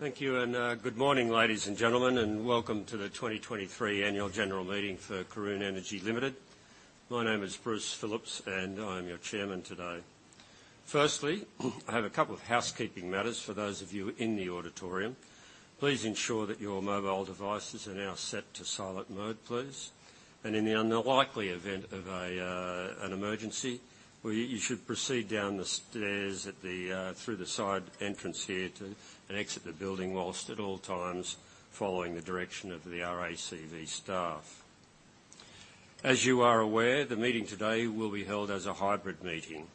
Thank you, and good morning, ladies and gentlemen, and welcome to the 2023 annual general meeting for Karoon Energy Limited. My name is Bruce Phillips, and I am your chairman today. Firstly, I have a couple of housekeeping matters for those of you in the auditorium. Please ensure that your mobile devices are now set to silent mode, please. And in the unlikely event of an emergency, you should proceed down the stairs through the side entrance here to, and exit the building whilst at all times following the direction of the RACV staff. As you are aware, the meeting today will be held as a hybrid meeting.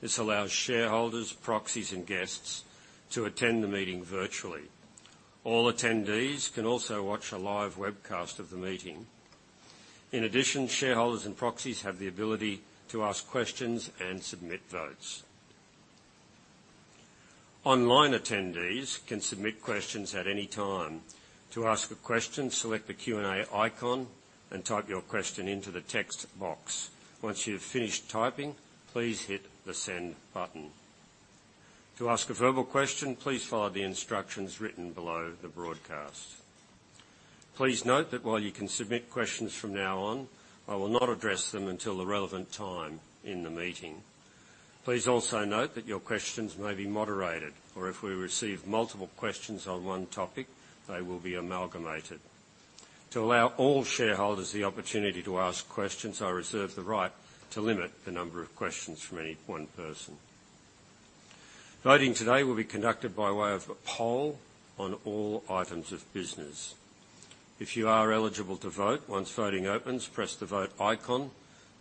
This allows shareholders, proxies, and guests to attend the meeting virtually. All attendees can also watch a live webcast of the meeting. In addition, shareholders and proxies have the ability to ask questions and submit votes. Online attendees can submit questions at any time. To ask a question, select the Q&A icon and type your question into the text box. Once you've finished typing, please hit the Send button. To ask a verbal question, please follow the instructions written below the broadcast. Please note that while you can submit questions from now on, I will not address them until the relevant time in the meeting. Please also note that your questions may be moderated, or if we receive multiple questions on one topic, they will be amalgamated. To allow all shareholders the opportunity to ask questions, I reserve the right to limit the number of questions from any one person. Voting today will be conducted by way of a poll on all items of business. If you are eligible to vote, once voting opens, press the Vote icon,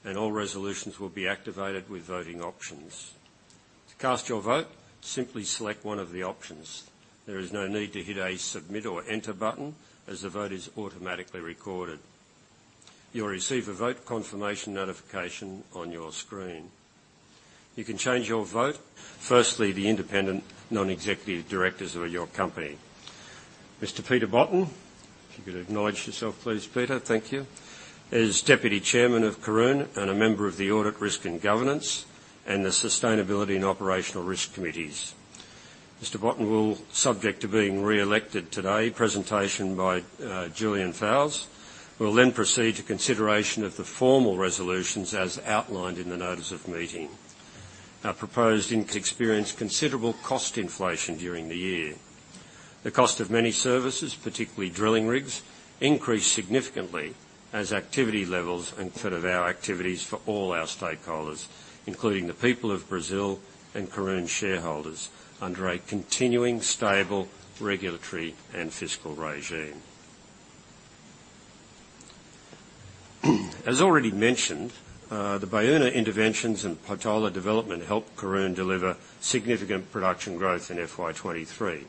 and all resolutions will be activated with voting options. To cast your vote, simply select one of the options. There is no need to hit a Submit or Enter button, as the vote is automatically recorded. You will receive a vote confirmation notification on your screen. You can change your vote. Firstly, the independent non-executive directors of your company. Mr. Peter Botten, if you could acknowledge yourself, please, Peter.Thank you. As Deputy Chairman of Karoon and a member of the Audit, Risk and Governance and the Sustainability and Operational Risk Committees, Mr. Botten will, subject to being re-elected today. Presentation by Julian Fowles will then proceed to consideration of the formal resolutions as outlined in the notice of meeting. Our proposed experienced considerable cost inflation during the year. The cost of many services, particularly drilling rigs, increased significantly as activity levels and of our activities for all our stakeholders, including the people of Brazil and Karoon shareholders, under a continuing, stable regulatory and fiscal regime. As already mentioned, the Baúna interventions and Patola development helped Karoon deliver significant production growth in FY 2023.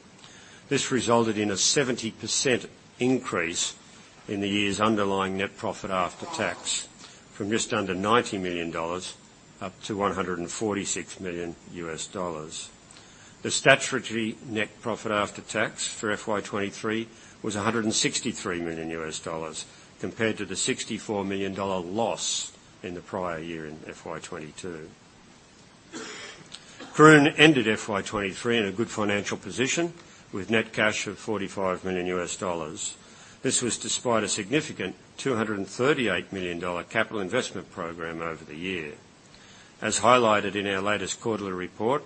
This resulted in a 70% increase in the year's underlying net profit after tax, from just under $90 million up to $146 million. The statutory net profit after tax for FY 2023 was $163 million, compared to the $64 million loss in the prior year in FY 2022. Karoon ended FY 2023 in a good financial position, with net cash of $45 million. This was despite a significant $238 million capital investment program over the year. As highlighted in our latest quarterly report,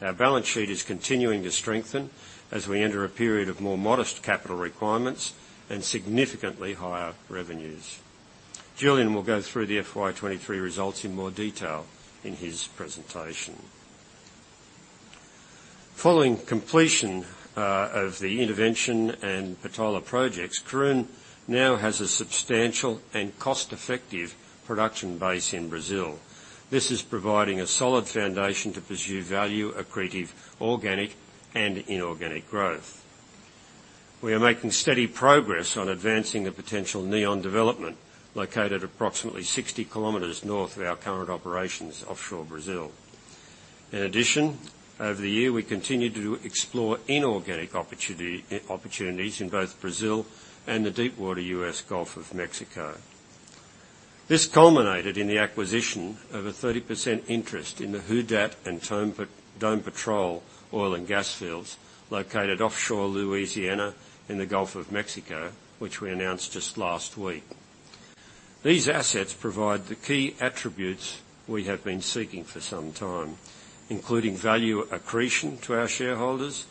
our balance sheet is continuing to strengthen as we enter a period of more modest capital requirements and significantly higher revenues. Julian will go through the FY 2023 results in more detail in his presentation. Following completion of the intervention and Patola projects, Karoon now has a substantial and cost-effective production base in Brazil. This is providing a solid foundation to pursue value-accretive, organic and inorganic growth. We are making steady progress on advancing the potential Neon development, located approximately 60 km north of our current operations offshore Brazil. In addition, over the year, we continued to explore inorganic opportunity, opportunities in both Brazil and the deepwater U.S. Gulf of Mexico. This culminated in the acquisition of a 30% interest in the Who Dat and Dome Patrol oil and gas fields located offshore Louisiana in the Gulf of Mexico, which we announced just last week. These assets provide the key attributes we have been seeking for some time, including value accretion to our shareholders,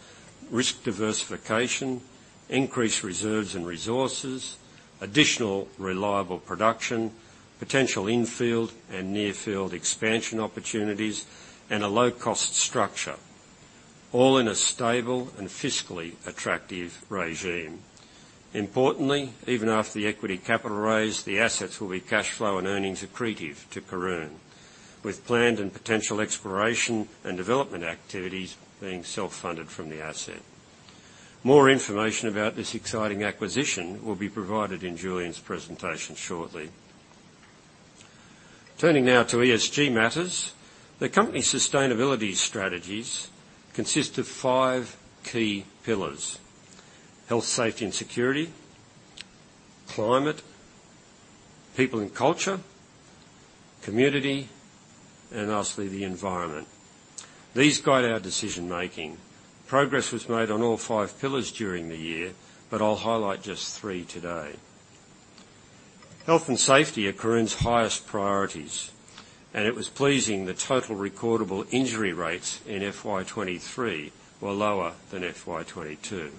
risk diversification, increased reserves and resources, additional reliable production, potential in-field and near-field expansion opportunities, and a low-cost structure, all in a stable and fiscally attractive regime. Importantly, even after the equity capital raise, the assets will be cash flow and earnings accretive to Karoon, with planned and potential exploration and development activities being self-funded from the asset. More information about this exciting acquisition will be provided in Julian's presentation shortly. Turning now to ESG matters, the company's sustainability strategies consist of five key pillars: health, safety, and security... climate, people and culture, community, and lastly, the environment. These guide our decision-making. Progress was made on all five pillars during the year, but I'll highlight just three today. Health and safety are Karoon's highest priorities, and it was pleasing the total recordable injury rates in FY 2023 were lower than FY 2022.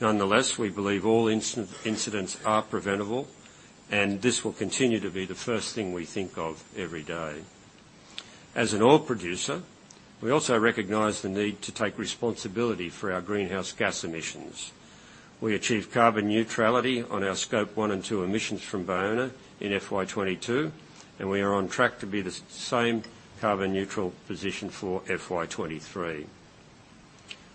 Nonetheless, we believe all incidents are preventable, and this will continue to be the first thing we think of every day. As an oil producer, we also recognize the need to take responsibility for our greenhouse gas emissions. We achieved carbon neutrality on our Scope 1 and 2 emissions from Baúna in FY 2022, and we are on track to be the same carbon neutral position for FY 2023.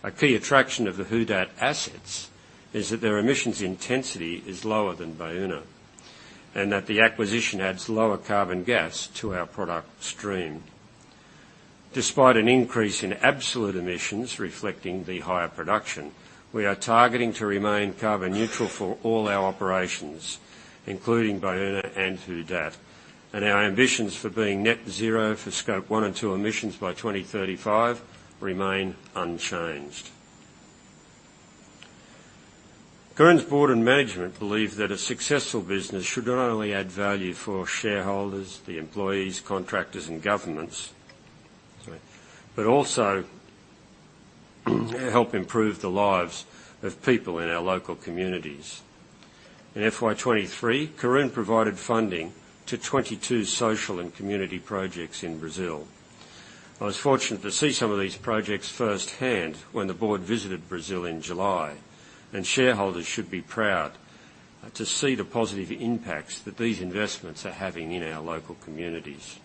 A key attraction of the Who Dat assets is that their emissions intensity is lower than Baúna, and that the acquisition adds lower carbon gas to our product stream. Despite an increase in absolute emissions reflecting the higher production, we are targeting to remain carbon neutral for all our operations, including Baúna and Who Dat, and our ambitions for being net zero for Scope 1 and 2 emissions by 2035 remain unchanged. Karoon's board and management believe that a successful business should not only add value for shareholders, the employees, contractors, and governments, sorry, but also help improve the lives of people in our local communities. In FY 2023, Karoon provided funding to 22 social and community projects in Brazil. I was fortunate to see some of these projects firsthand when the board visited Brazil in July, and shareholders should be proud to see the positive impacts that these investments are having in our local communities.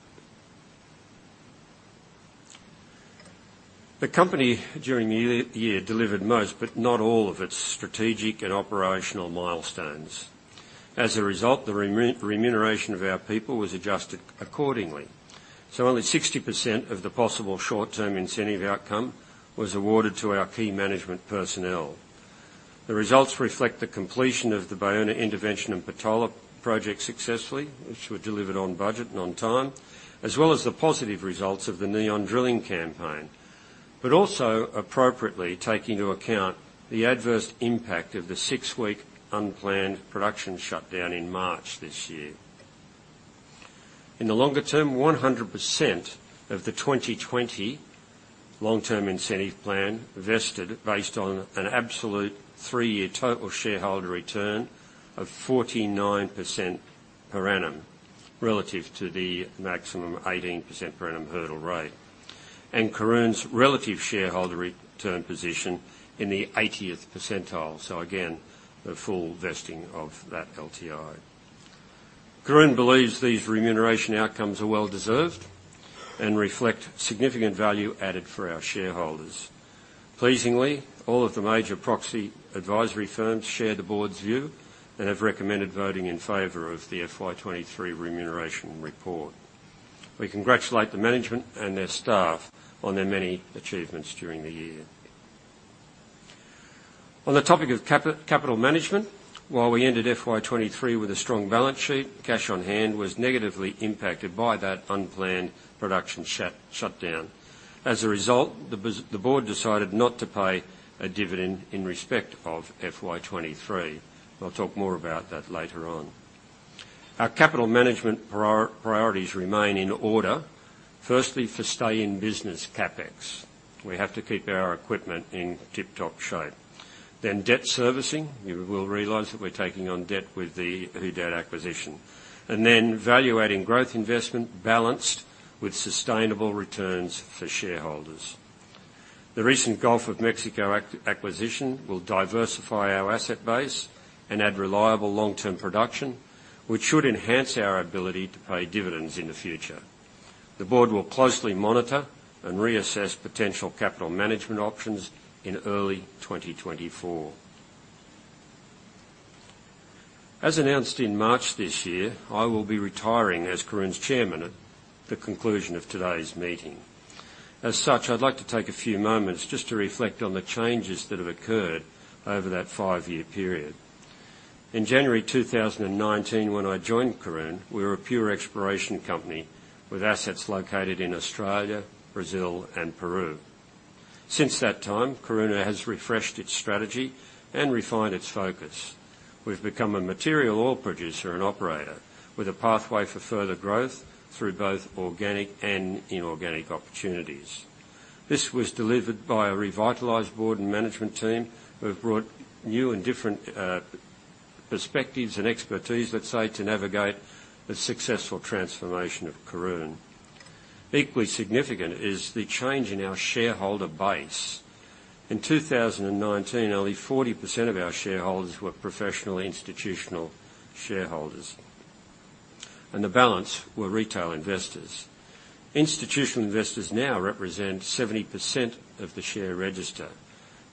The company, during the year, delivered most, but not all, of its strategic and operational milestones. As a result, the remuneration of our people was adjusted accordingly, so only 60% of the possible short-term incentive outcome was awarded to our key management personnel. The results reflect the completion of the Baúna intervention and Patola project successfully, which were delivered on budget and on time, as well as the positive results of the Neon drilling campaign. But also, appropriately, take into account the adverse impact of the six-week unplanned production shutdown in March this year. In the longer term, 100% of the 2020 long-term incentive plan vested based on an absolute three-year total shareholder return of 49% per annum, relative to the maximum 18% per annum hurdle rate, and Karoon's relative shareholder return position in the 80th percentile. So again, a full vesting of that LTI. Karoon believes these remuneration outcomes are well-deserved and reflect significant value added for our shareholders. Pleasingly, all of the major proxy advisory firms share the board's view and have recommended voting in favor of the FY 2023 remuneration report. We congratulate the management and their staff on their many achievements during the year. On the topic of capital management, while we ended FY 2023 with a strong balance sheet, cash on hand was negatively impacted by that unplanned production shutdown. As a result, the board decided not to pay a dividend in respect of FY 2023. I'll talk more about that later on. Our capital management priorities remain in order. Firstly, for stay in business CapEx. We have to keep our equipment in tip-top shape. Then debt servicing. You will realize that we're taking on debt with the Who Dat acquisition. And then value-adding growth investment balanced with sustainable returns for shareholders. The recent Gulf of Mexico acquisition will diversify our asset base and add reliable long-term production, which should enhance our ability to pay dividends in the future. The board will closely monitor and reassess potential capital management options in early 2024. As announced in March this year, I will be retiring as Karoon's chairman at the conclusion of today's meeting. As such, I'd like to take a few moments just to reflect on the changes that have occurred over that five-year period. In January 2019, when I joined Karoon, we were a pure exploration company with assets located in Australia, Brazil, and Peru. Since that time, Karoon has refreshed its strategy and refined its focus. We've become a material oil producer and operator with a pathway for further growth through both organic and inorganic opportunities. This was delivered by a revitalized board and management team, who have brought new and different perspectives and expertise, let's say, to navigate the successful transformation of Karoon. Equally significant is the change in our shareholder base. In 2019, only 40% of our shareholders were professional institutional shareholders, and the balance were retail investors. Institutional investors now represent 70% of the share register.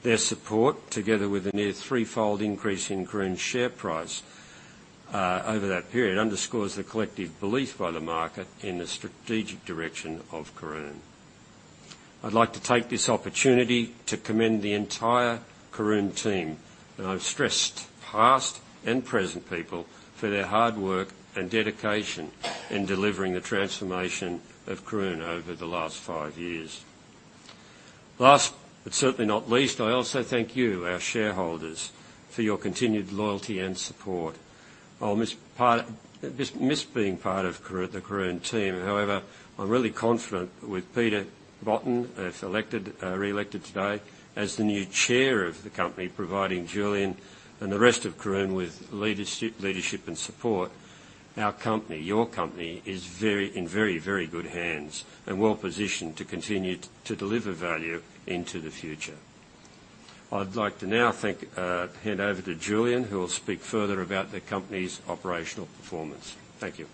Their support, together with a near threefold increase in Karoon's share price over that period, underscores the collective belief by the market in the strategic direction of Karoon. I'd like to take this opportunity to commend the entire Karoon team, and I've stressed past and present people, for their hard work and dedication in delivering the transformation of Karoon over the last five years. Last, but certainly not least, I also thank you, our shareholders, for your continued loyalty and support. I'll miss being part of Karoon, the Karoon team. However, I'm really confident with Peter Botten, if elected, re-elected today as the new Chair of the company, providing Julian and the rest of Karoon with leadership and support. Our company, your company, is in very, very good hands and well-positioned to continue to deliver value into the future. I'd like to now thank and hand over to Julian, who will speak further about the company's operational performance. Thank you.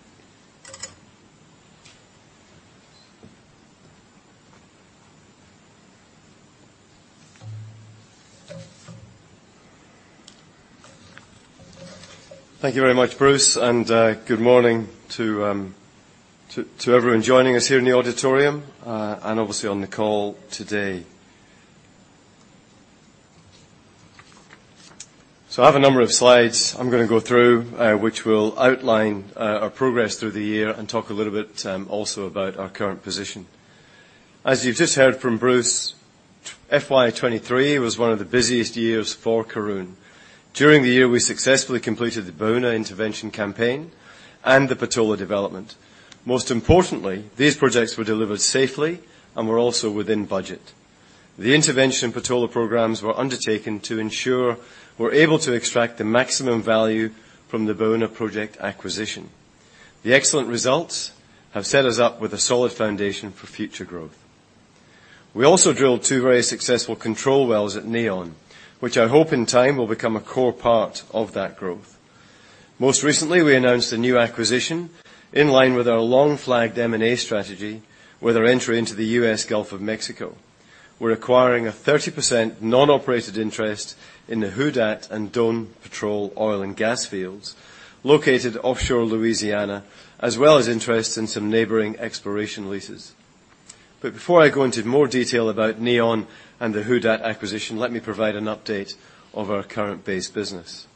Thank you very much, Bruce, and good morning to everyone joining us here in the auditorium, and obviously on the call today. So I have a number of slides I'm gonna go through, which will outline our progress through the year and talk a little bit also about our current position. As you've just heard from Bruce, FY 2023 was one of the busiest years for Karoon. During the year, we successfully completed the Baúna intervention campaign and the Patola development. Most importantly, these projects were delivered safely and were also within budget. The intervention in Patola programs were undertaken to ensure we're able to extract the maximum value from the Baúna project acquisition. The excellent results have set us up with a solid foundation for future growth. We also drilled two very successful control wells at Neon, which I hope in time will become a core part of that growth. Most recently, we announced a new acquisition in line with our long-flagged M&A strategy, with our entry into the U.S. Gulf of Mexico. We're acquiring a 30% non-operated interest in the Who Dat and Dome Patrol oil and gas fields, located offshore Louisiana, as well as interest in some neighboring exploration leases. But before I go into more detail about Neon and the Who Dat acquisition, let me provide an update of our current base business.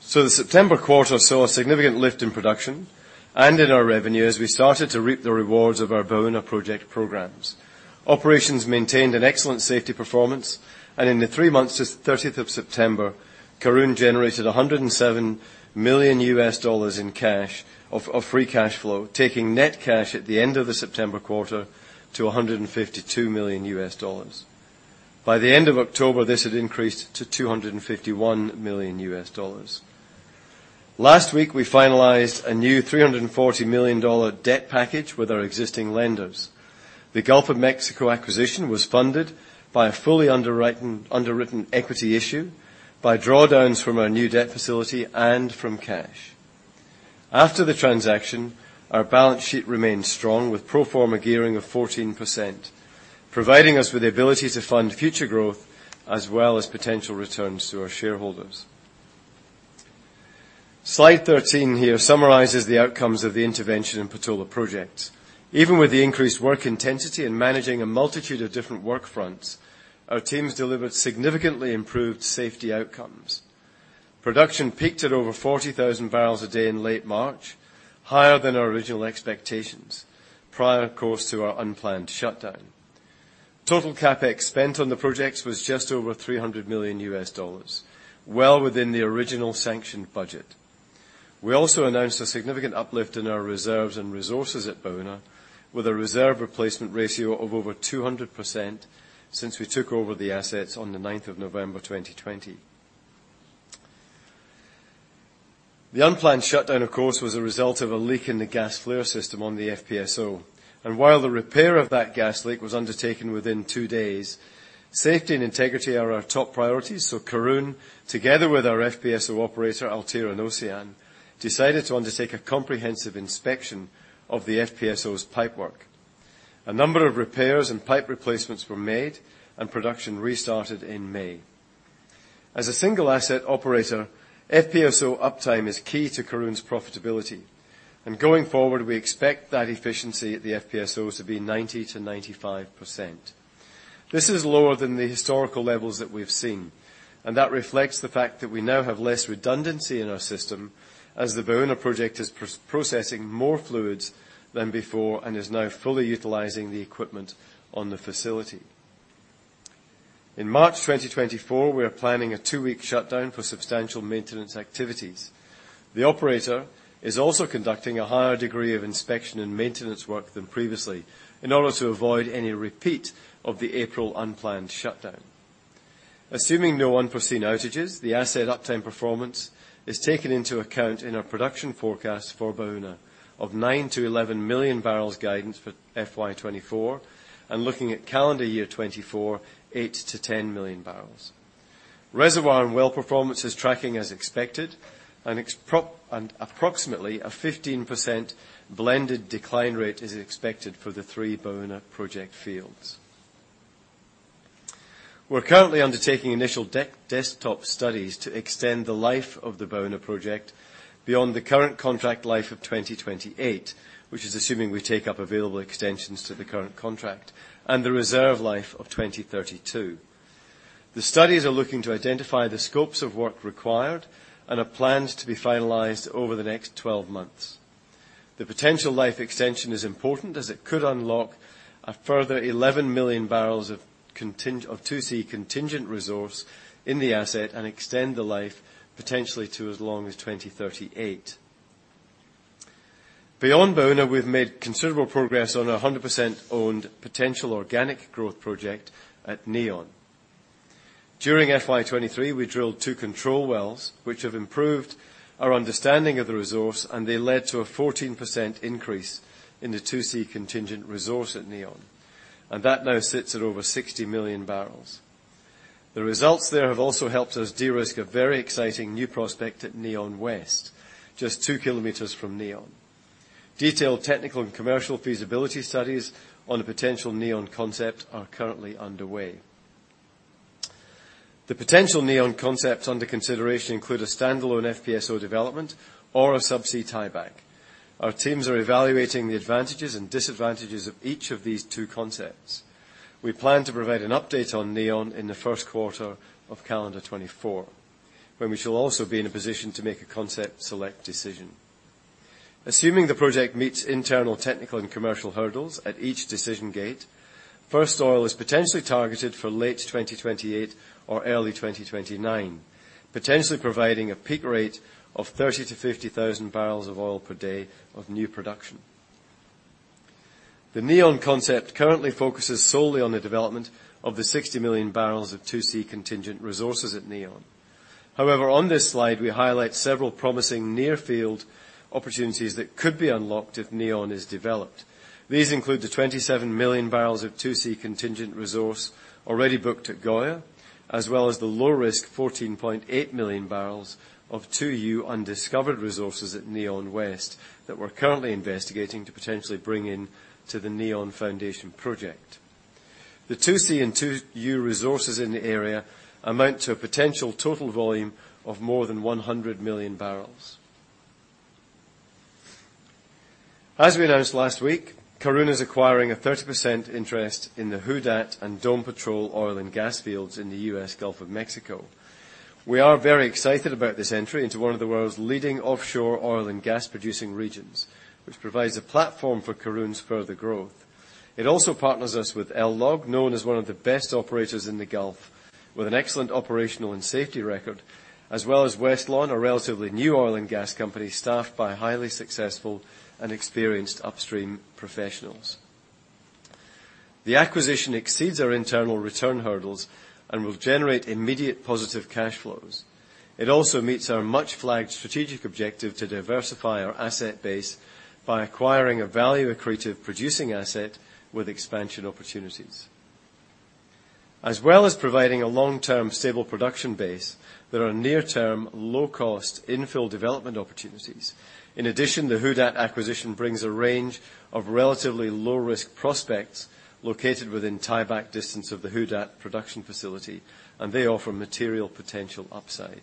So the September quarter saw a significant lift in production and in our revenue as we started to reap the rewards of our Baúna project programs. Operations maintained an excellent safety performance, and in the three months to the 30th of September, Karoon generated $107 million in cash of free cash flow, taking net cash at the end of the September quarter to $152 million. By the end of October, this had increased to $251 million. Last week, we finalized a new $340 million debt package with our existing lenders. The Gulf of Mexico acquisition was funded by a fully underwritten equity issue, by drawdowns from our new debt facility, and from cash. After the transaction, our balance sheet remained strong, with pro forma gearing of 14%, providing us with the ability to fund future growth as well as potential returns to our shareholders. Slide 13 here summarizes the outcomes of the intervention in Patola projects. Even with the increased work intensity and managing a multitude of different work fronts, our teams delivered significantly improved safety outcomes. Production peaked at over 40,000 barrels a day in late March, higher than our original expectations, prior, of course, to our unplanned shutdown. Total CapEx spent on the projects was just over $300 million, well within the original sanctioned budget. We also announced a significant uplift in our reserves and resources at Baúna, with a reserve replacement ratio of over 200% since we took over the assets on the ninth of November, 2020. The unplanned shutdown, of course, was a result of a leak in the gas flare system on the FPSO. While the repair of that gas leak was undertaken within two days, safety and integrity are our top priorities, so Karoon, together with our FPSO operator, Altera and Ocyan, decided to undertake a comprehensive inspection of the FPSO's pipework. A number of repairs and pipe replacements were made, and production restarted in May. As a single asset operator, FPSO uptime is key to Karoon's profitability, and going forward, we expect that efficiency at the FPSO to be 90%-95%. This is lower than the historical levels that we've seen, and that reflects the fact that we now have less redundancy in our system, as the Baúna project is processing more fluids than before and is now fully utilizing the equipment on the facility. In March 2024, we are planning a two-week shutdown for substantial maintenance activities. The operator is also conducting a higher degree of inspection and maintenance work than previously in order to avoid any repeat of the April unplanned shutdown. Assuming no unforeseen outages, the asset uptime performance is taken into account in our production forecast for Baúna of 9 million-11 million barrels guidance for FY 2024, and looking at calendar year 2024, 8 million-10 million barrels. Reservoir and well performance is tracking as expected, and approximately a 15% blended decline rate is expected for the three Baúna project fields. We're currently undertaking initial desktop studies to extend the life of the Baúna project beyond the current contract life of 2028, which is assuming we take up available extensions to the current contract, and the reserve life of 2032. The studies are looking to identify the scopes of work required and are planned to be finalized over the next 12 months. The potential life extension is important, as it could unlock a further 11 million barrels of 2C contingent resource in the asset and extend the life potentially to as long as 2038. Beyond Baúna, we've made considerable progress on our 100% owned potential organic growth project at Neon. During FY 2023, we drilled two control wells, which have improved our understanding of the resource, and they led to a 14% increase in the 2C contingent resource at Neon, and that now sits at over 60 million barrels. The results there have also helped us de-risk a very exciting new prospect at Neon West, just 2 km from Neon. Detailed technical and commercial feasibility studies on a potential Neon concept are currently underway. The potential Neon concepts under consideration include a standalone FPSO development or a subsea tieback. Our teams are evaluating the advantages and disadvantages of each of these two concepts. We plan to provide an update on Neon in the first quarter of calendar 2024, when we shall also be in a position to make a concept select decision. Assuming the project meets internal technical and commercial hurdles at each decision gate, first oil is potentially targeted for late 2028 or early 2029, potentially providing a peak rate of 30,000-50,000 barrels of oil per day of new production. The Neon concept currently focuses solely on the development of the 60 million barrels of 2C contingent resources at Neon. However, on this slide, we highlight several promising near field opportunities that could be unlocked if Neon is developed. These include the 27 million barrels of 2C contingent resource already booked at Goia, as well as the low-risk 14.8 million barrels of 2U undiscovered resources at Neon West that we're currently investigating to potentially bring in to the Neon Foundation project. The 2C and 2U resources in the area amount to a potential total volume of more than 100 million barrels. As we announced last week, Karoon is acquiring a 30% interest in the Who Dat and Dome Patrol oil and gas fields in the U.S. Gulf of Mexico. We are very excited about this entry into one of the world's leading offshore oil and gas-producing regions, which provides a platform for Karoon's further growth. It also partners us with LLOG, known as one of the best operators in the Gulf, with an excellent operational and safety record, as well as Westlawn, a relatively new oil and gas company staffed by highly successful and experienced upstream professionals. The acquisition exceeds our internal return hurdles and will generate immediate positive cash flows. It also meets our much-flagged strategic objective to diversify our asset base by acquiring a value-accretive producing asset with expansion opportunities. As well as providing a long-term, stable production base, there are near-term, low-cost infill development opportunities. In addition, the Who Dat acquisition brings a range of relatively low-risk prospects located within tieback distance of the Who Dat production facility, and they offer material potential upside.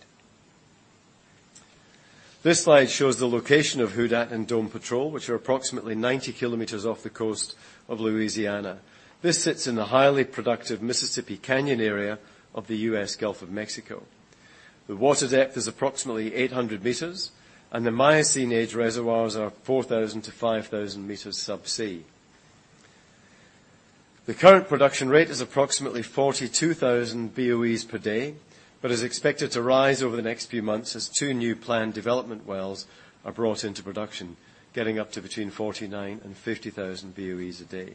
This slide shows the location of Who Dat and Dome Patrol, which are approximately 90 km off the coast of Louisiana. This sits in the highly productive Mississippi Canyon area of the U.S. Gulf of Mexico. The water depth is approximately 800 meters, and the Miocene Age reservoirs are 4,000-5,000 meters subsea. The current production rate is approximately 42,000 BOEs per day, but is expected to rise over the next few months as two new planned development wells are brought into production, getting up to between 49,000 and 50,000 BOEs a day.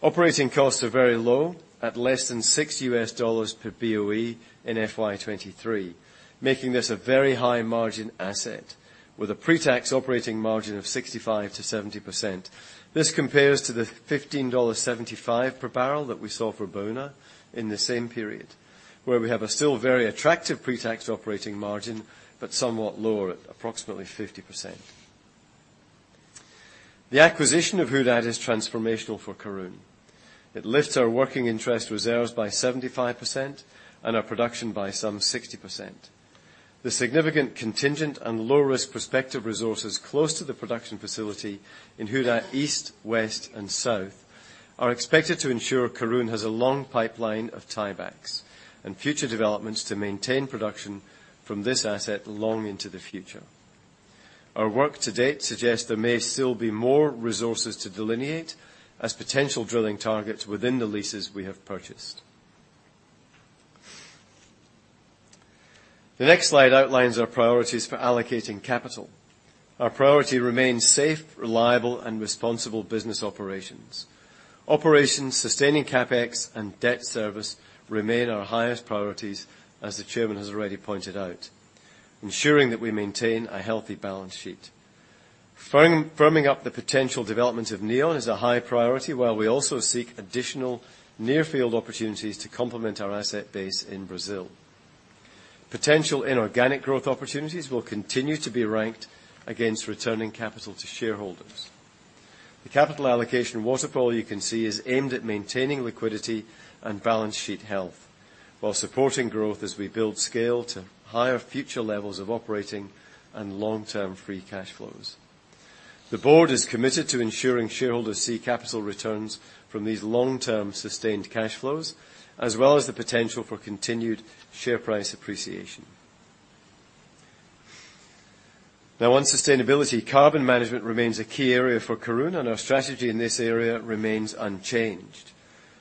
Operating costs are very low, at less than $6 per BOE in FY 2023, making this a very high-margin asset with a pre-tax operating margin of 65%-70%. This compares to the $15.75 per barrel that we saw for Baúna in the same period, where we have a still very attractive pre-tax operating margin, but somewhat lower at approximately 50%. The acquisition of Who Dat is transformational for Karoon. It lifts our working interest reserves by 75% and our production by some 60%. The significant contingent and low-risk prospective resources close to the production facility in Who Dat East, West, and South are expected to ensure Karoon has a long pipeline of tiebacks and future developments to maintain production from this asset long into the future. Our work to date suggests there may still be more resources to delineate as potential drilling targets within the leases we have purchased. The next slide outlines our priorities for allocating capital. Our priority remains safe, reliable, and responsible business operations. Operations, sustaining CapEx, and debt service remain our highest priorities, as the chairman has already pointed out, ensuring that we maintain a healthy balance sheet. Firming up the potential development of Neon is a high priority, while we also seek additional near-field opportunities to complement our asset base in Brazil. Potential inorganic growth opportunities will continue to be ranked against returning capital to shareholders. The capital allocation waterfall you can see is aimed at maintaining liquidity and balance sheet health, while supporting growth as we build scale to higher future levels of operating and long-term free cash flows. The board is committed to ensuring shareholders see capital returns from these long-term sustained cash flows, as well as the potential for continued share price appreciation. Now, on sustainability, carbon management remains a key area for Karoon, and our strategy in this area remains unchanged.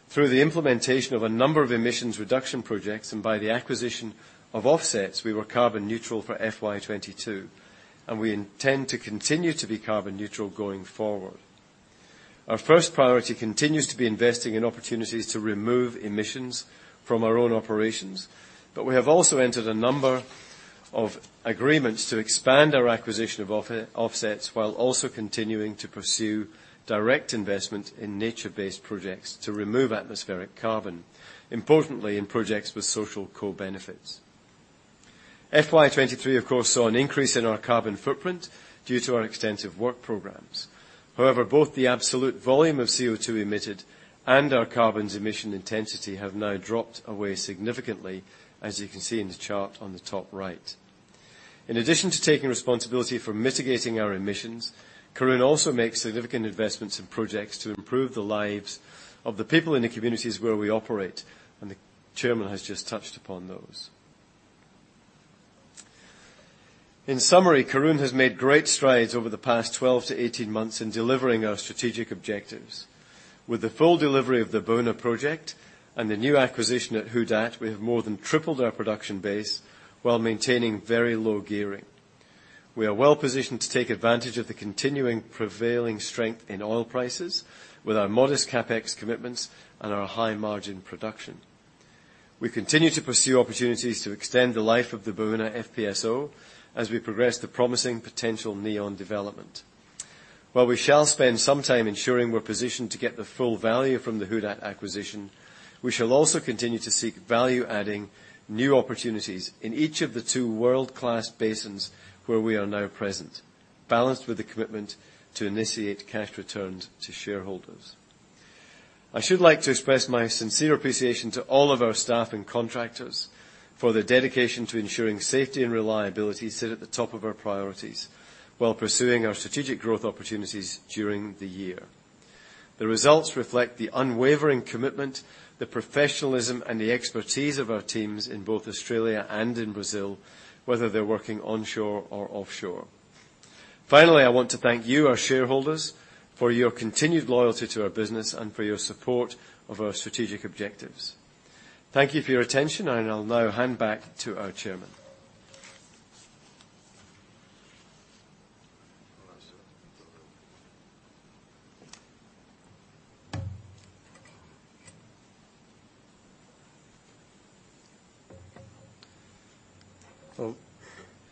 Through the implementation of a number of emissions reduction projects and by the acquisition of offsets, we were carbon neutral for FY 2022, and we intend to continue to be carbon neutral going forward. Our first priority continues to be investing in opportunities to remove emissions from our own operations, but we have also entered a number of agreements to expand our acquisition of offsets, while also continuing to pursue direct investment in nature-based projects to remove atmospheric carbon, importantly, in projects with social co-benefits. FY 2023, of course, saw an increase in our carbon footprint due to our extensive work programs. However, both the absolute volume of CO2 emitted and our carbon emission intensity have now dropped away significantly, as you can see in the chart on the top right. In addition to taking responsibility for mitigating our emissions, Karoon also makes significant investments in projects to improve the lives of the people in the communities where we operate, and the chairman has just touched upon those. In summary, Karoon has made great strides over the past 12-18 months in delivering our strategic objectives. With the full delivery of the Baúna project and the new acquisition at Who Dat, we have more than tripled our production base while maintaining very low gearing. We are well-positioned to take advantage of the continuing prevailing strength in oil prices with our modest CapEx commitments and our high-margin production. We continue to pursue opportunities to extend the life of the Baúna FPSO as we progress the promising potential Neon development. While we shall spend some time ensuring we're positioned to get the full value from the Who Dat acquisition, we shall also continue to seek value-adding new opportunities in each of the two world-class basins where we are now present, balanced with the commitment to initiate cash returns to shareholders. I should like to express my sincere appreciation to all of our staff and contractors for their dedication to ensuring safety and reliability sit at the top of our priorities, while pursuing our strategic growth opportunities during the year. The results reflect the unwavering commitment, the professionalism, and the expertise of our teams in both Australia and in Brazil, whether they're working onshore or offshore. Finally, I want to thank you, our shareholders, for your continued loyalty to our business and for your support of our strategic objectives. Thank you for your attention, and I'll now hand back to our chairman.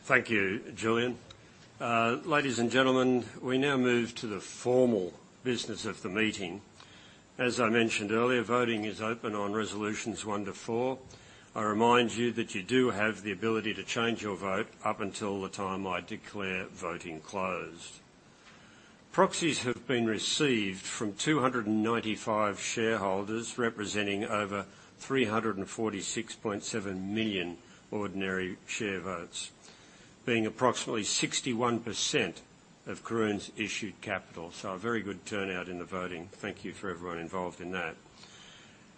Well, thank you, Julian. Ladies and gentlemen, we now move to the formal business of the meeting. As I mentioned earlier, voting is open on resolutions one to four. I remind you that you do have the ability to change your vote up until the time I declare voting closed. Proxies have been received from 295 shareholders, representing over 346.7 million ordinary share votes, being approximately 61% of Karoon's issued capital. So a very good turnout in the voting. Thank you for everyone involved in that.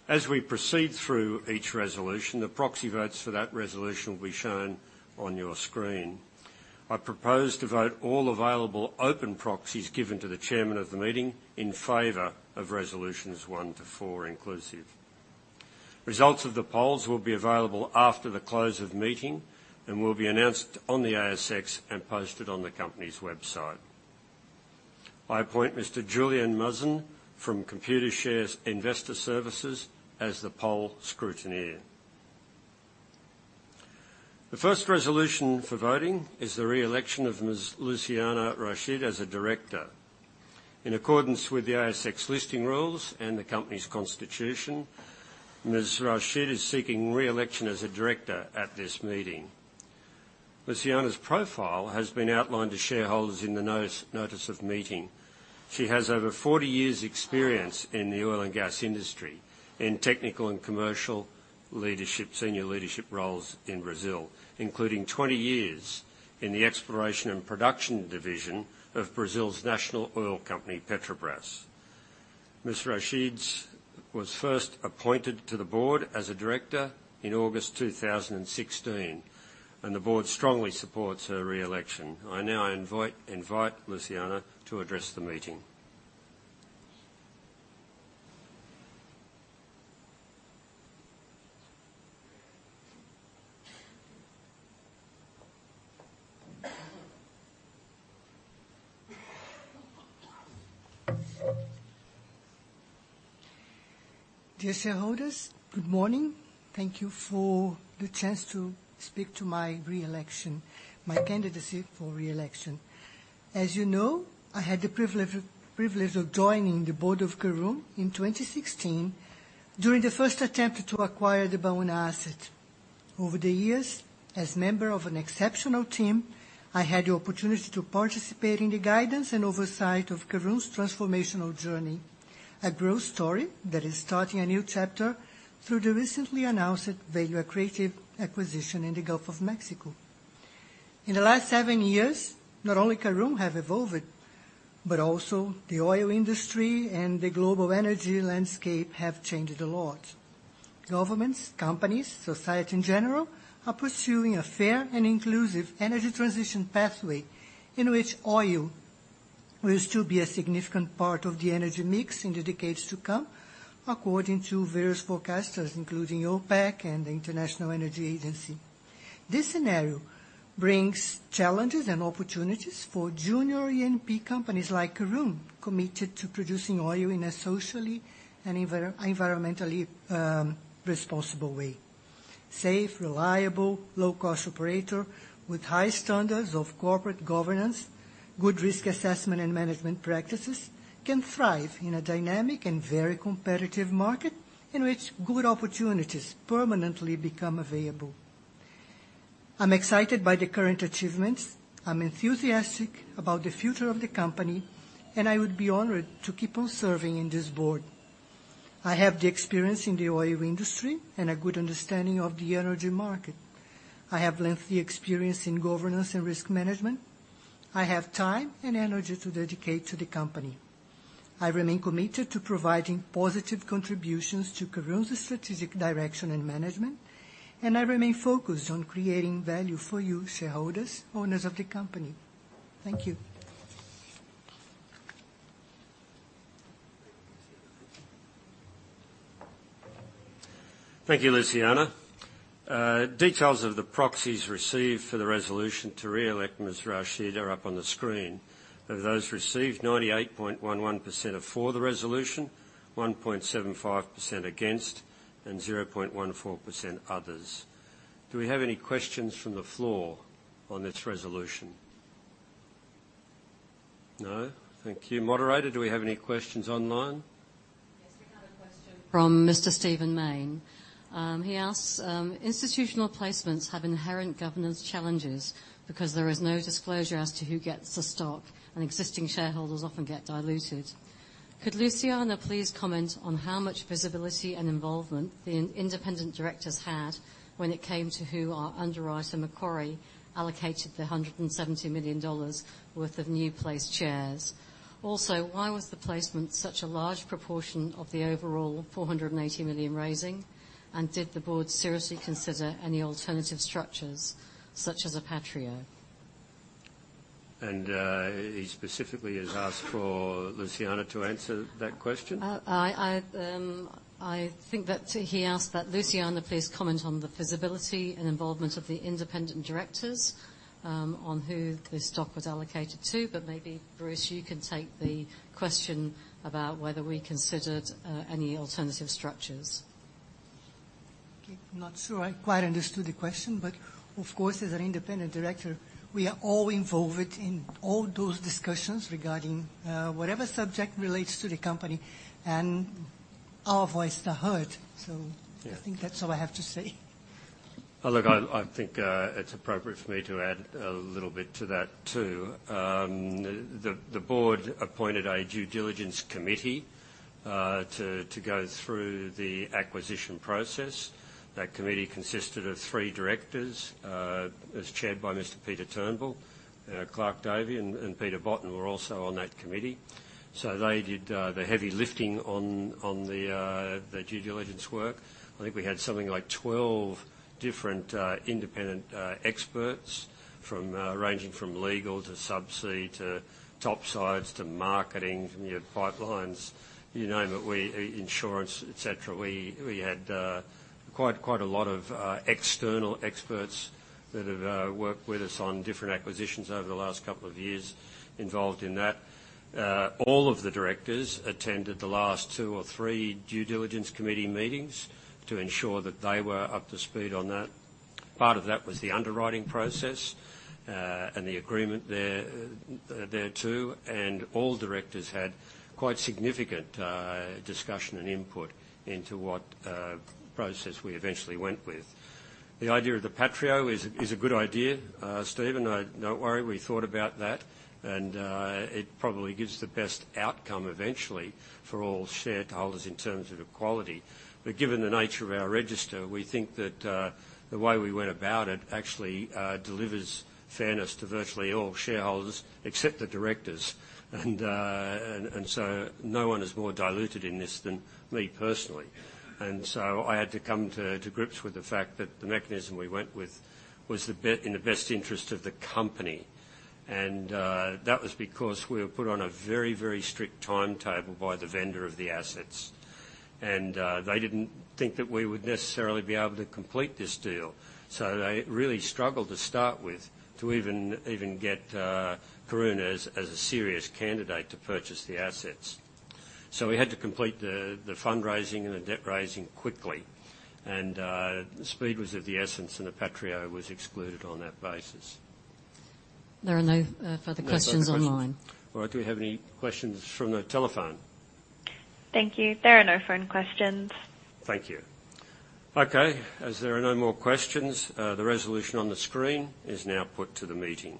As we proceed through each resolution, the proxy votes for that resolution will be shown on your screen. I propose to vote all available open proxies given to the chairman of the meeting in favor of resolutions one to four inclusive. Results of the polls will be available after the close of the meeting and will be announced on the ASX and posted on the company's website. I appoint Mr. Julian Muzzin from Computershare's Investor Services as the poll scrutineer. The first resolution for voting is the re-election of Ms. Luciana Rachid as a director. In accordance with the ASX Listing Rules and the company's constitution, Ms. Rachid is seeking re-election as a director at this meeting. Luciana's profile has been outlined to shareholders in the notice of meeting. She has over 40 years' experience in the oil and gas industry in technical and commercial leadership, senior leadership roles in Brazil, including 20 years in the exploration and production division of Brazil's national oil company, Petrobras. Ms. Rachid was first appointed to the board as a director in August 2016, and the board strongly supports her re-election. I now invite Luciana to address the meeting. Dear shareholders, good morning. Thank you for the chance to speak to my re-election, my candidacy for re-election... As you know, I had the privilege, privilege of joining the board of Karoon in 2016 during the first attempt to acquire the Baúna asset. Over the years, as member of an exceptional team, I had the opportunity to participate in the guidance and oversight of Karoon's transformational journey. A growth story that is starting a new chapter through the recently announced value accretive acquisition in the Gulf of Mexico. In the last seven years, not only Karoon have evolved, but also the oil industry and the global energy landscape have changed a lot. Governments, companies, society in general, are pursuing a fair and inclusive energy transition pathway in which oil will still be a significant part of the energy mix in the decades to come, according to various forecasters, including OPEC and the International Energy Agency. This scenario brings challenges and opportunities for junior E&P companies like Karoon, committed to producing oil in a socially and environmentally responsible way. Safe, reliable, low-cost operator with high standards of corporate governance, good risk assessment and management practices can thrive in a dynamic and very competitive market in which good opportunities permanently become available. I'm excited by the current achievements, I'm enthusiastic about the future of the company, and I would be honored to keep on serving in this board. I have the experience in the oil industry and a good understanding of the energy market. I have lengthy experience in governance and risk management. I have time and energy to dedicate to the company. I remain committed to providing positive contributions to Karoon's strategic direction and management, and I remain focused on creating value for you, shareholders, owners of the company. Thank you. Thank you, Luciana. Details of the proxies received for the resolution to re-elect Ms. Rachid are up on the screen. Of those received, 98.11% are for the resolution, 1.75% against, and 0.14% others. Do we have any questions from the floor on this resolution? No? Thank you. Moderator, do we have any questions online? Yes, we have a question from Mr. Steven Maine. He asks, "Institutional placements have inherent governance challenges because there is no disclosure as to who gets the stock, and existing shareholders often get diluted. Could Luciana please comment on how much visibility and involvement the independent directors had when it came to who our underwriter, Macquarie, allocated the $170 million worth of new placed shares? Also, why was the placement such a large proportion of the overall $480 million raising, and did the board seriously consider any alternative structures such as a pro rata? He specifically has asked for Luciana to answer that question? I think that he asked that Luciana please comment on the visibility and involvement of the independent directors on who the stock was allocated to. But maybe, Bruce, you can take the question about whether we considered any alternative structures. Okay. Not sure I quite understood the question, but of course, as an independent director, we are all involved in all those discussions regarding whatever subject relates to the company, and our voices are heard. So- Yeah. I think that's all I have to say. Well, look, I, I think it's appropriate for me to add a little bit to that, too. The board appointed a due diligence committee to go through the acquisition process. That committee consisted of three directors, as chaired by Mr. Peter Turnbull. Clark Davey and Peter Botten were also on that committee. So they did the heavy lifting on the due diligence work. I think we had something like 12 different independent experts ranging from legal to subsea, to topsides, to marketing, from your pipelines, you name it, we... insurance, et cetera. We had quite a lot of external experts that have worked with us on different acquisitions over the last couple of years involved in that. All of the directors attended the last two or three due diligence committee meetings to ensure that they were up to speed on that. Part of that was the underwriting process, and the agreement there, thereto, and all directors had quite significant discussion and input into what process we eventually went with. The idea of the pro rata is a good idea, Steven. Don't worry, we thought about that, and it probably gives the best outcome eventually for all shareholders in terms of equality. But given the nature of our register, we think that the way we went about it actually delivers fairness to virtually all shareholders, except the directors. And so no one is more diluted in this than me personally. So I had to come to grips with the fact that the mechanism we went with was being in the best interest of the company. That was because we were put on a very, very strict timetable by the vendor of the assets. They didn't think that we would necessarily be able to complete this deal. So they really struggled to start with, to even get Karoon as a serious candidate to purchase the assets. So we had to complete the fundraising and the debt raising quickly. Speed was of the essence, and a pro rata was excluded on that basis. There are no further questions online. No further questions. All right, do we have any questions from the telephone? Thank you. There are no phone questions. Thank you. Okay, as there are no more questions, the resolution on the screen is now put to the meeting.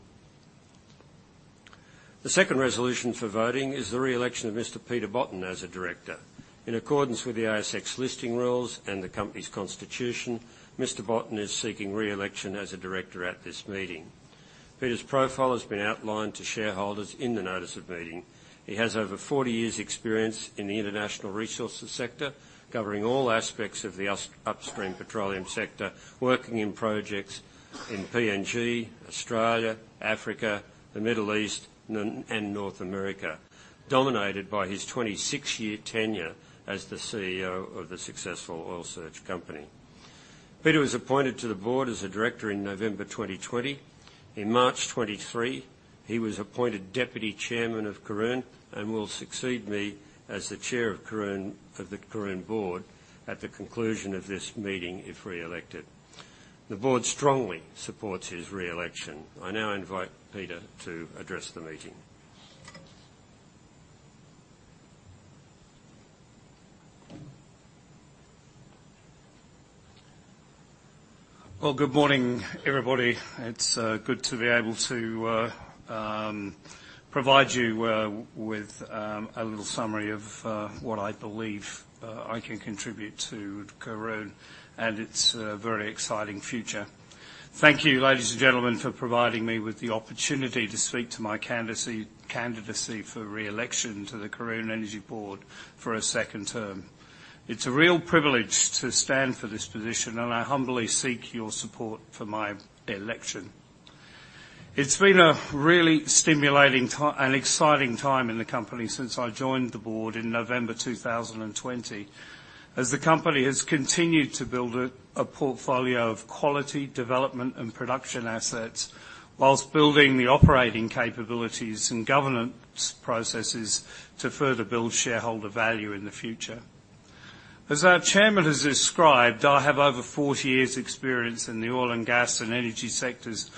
The second resolution for voting is the re-election of Mr. Peter Botten as a director. In accordance with the ASX listing rules and the company's constitution, Mr. Botten is seeking re-election as a director at this meeting. Peter's profile has been outlined to shareholders in the notice of meeting. He has over 40 years' experience in the international resources sector, covering all aspects of the upstream petroleum sector, working in projects in PNG, Australia, Africa, the Middle East, and North America, dominated by his 26-year tenure as the CEO of the successful Oil Search company. Peter was appointed to the board as a director in November 2020. In March 2023, he was appointed Deputy Chairman of Karoon and will succeed me as the chair of Karoon, of the Karoon board, at the conclusion of this meeting, if re-elected. The board strongly supports his re-election. I now invite Peter to address the meeting. Well, good morning, everybody. It's good to be able to provide you with a little summary of what I believe I can contribute to Karoon and its very exciting future. Thank you, ladies and gentlemen, for providing me with the opportunity to speak to my candidacy for re-election to the Karoon Energy Board for a second term. It's a real privilege to stand for this position, and I humbly seek your support for my election. It's been a really stimulating an exciting time in the company since I joined the board in November 2020, as the company has continued to build a portfolio of quality development and production assets, while building the operating capabilities and governance processes to further build shareholder value in the future. As our chairman has described, I have over 40 years' experience in the oil and gas and energy sectors,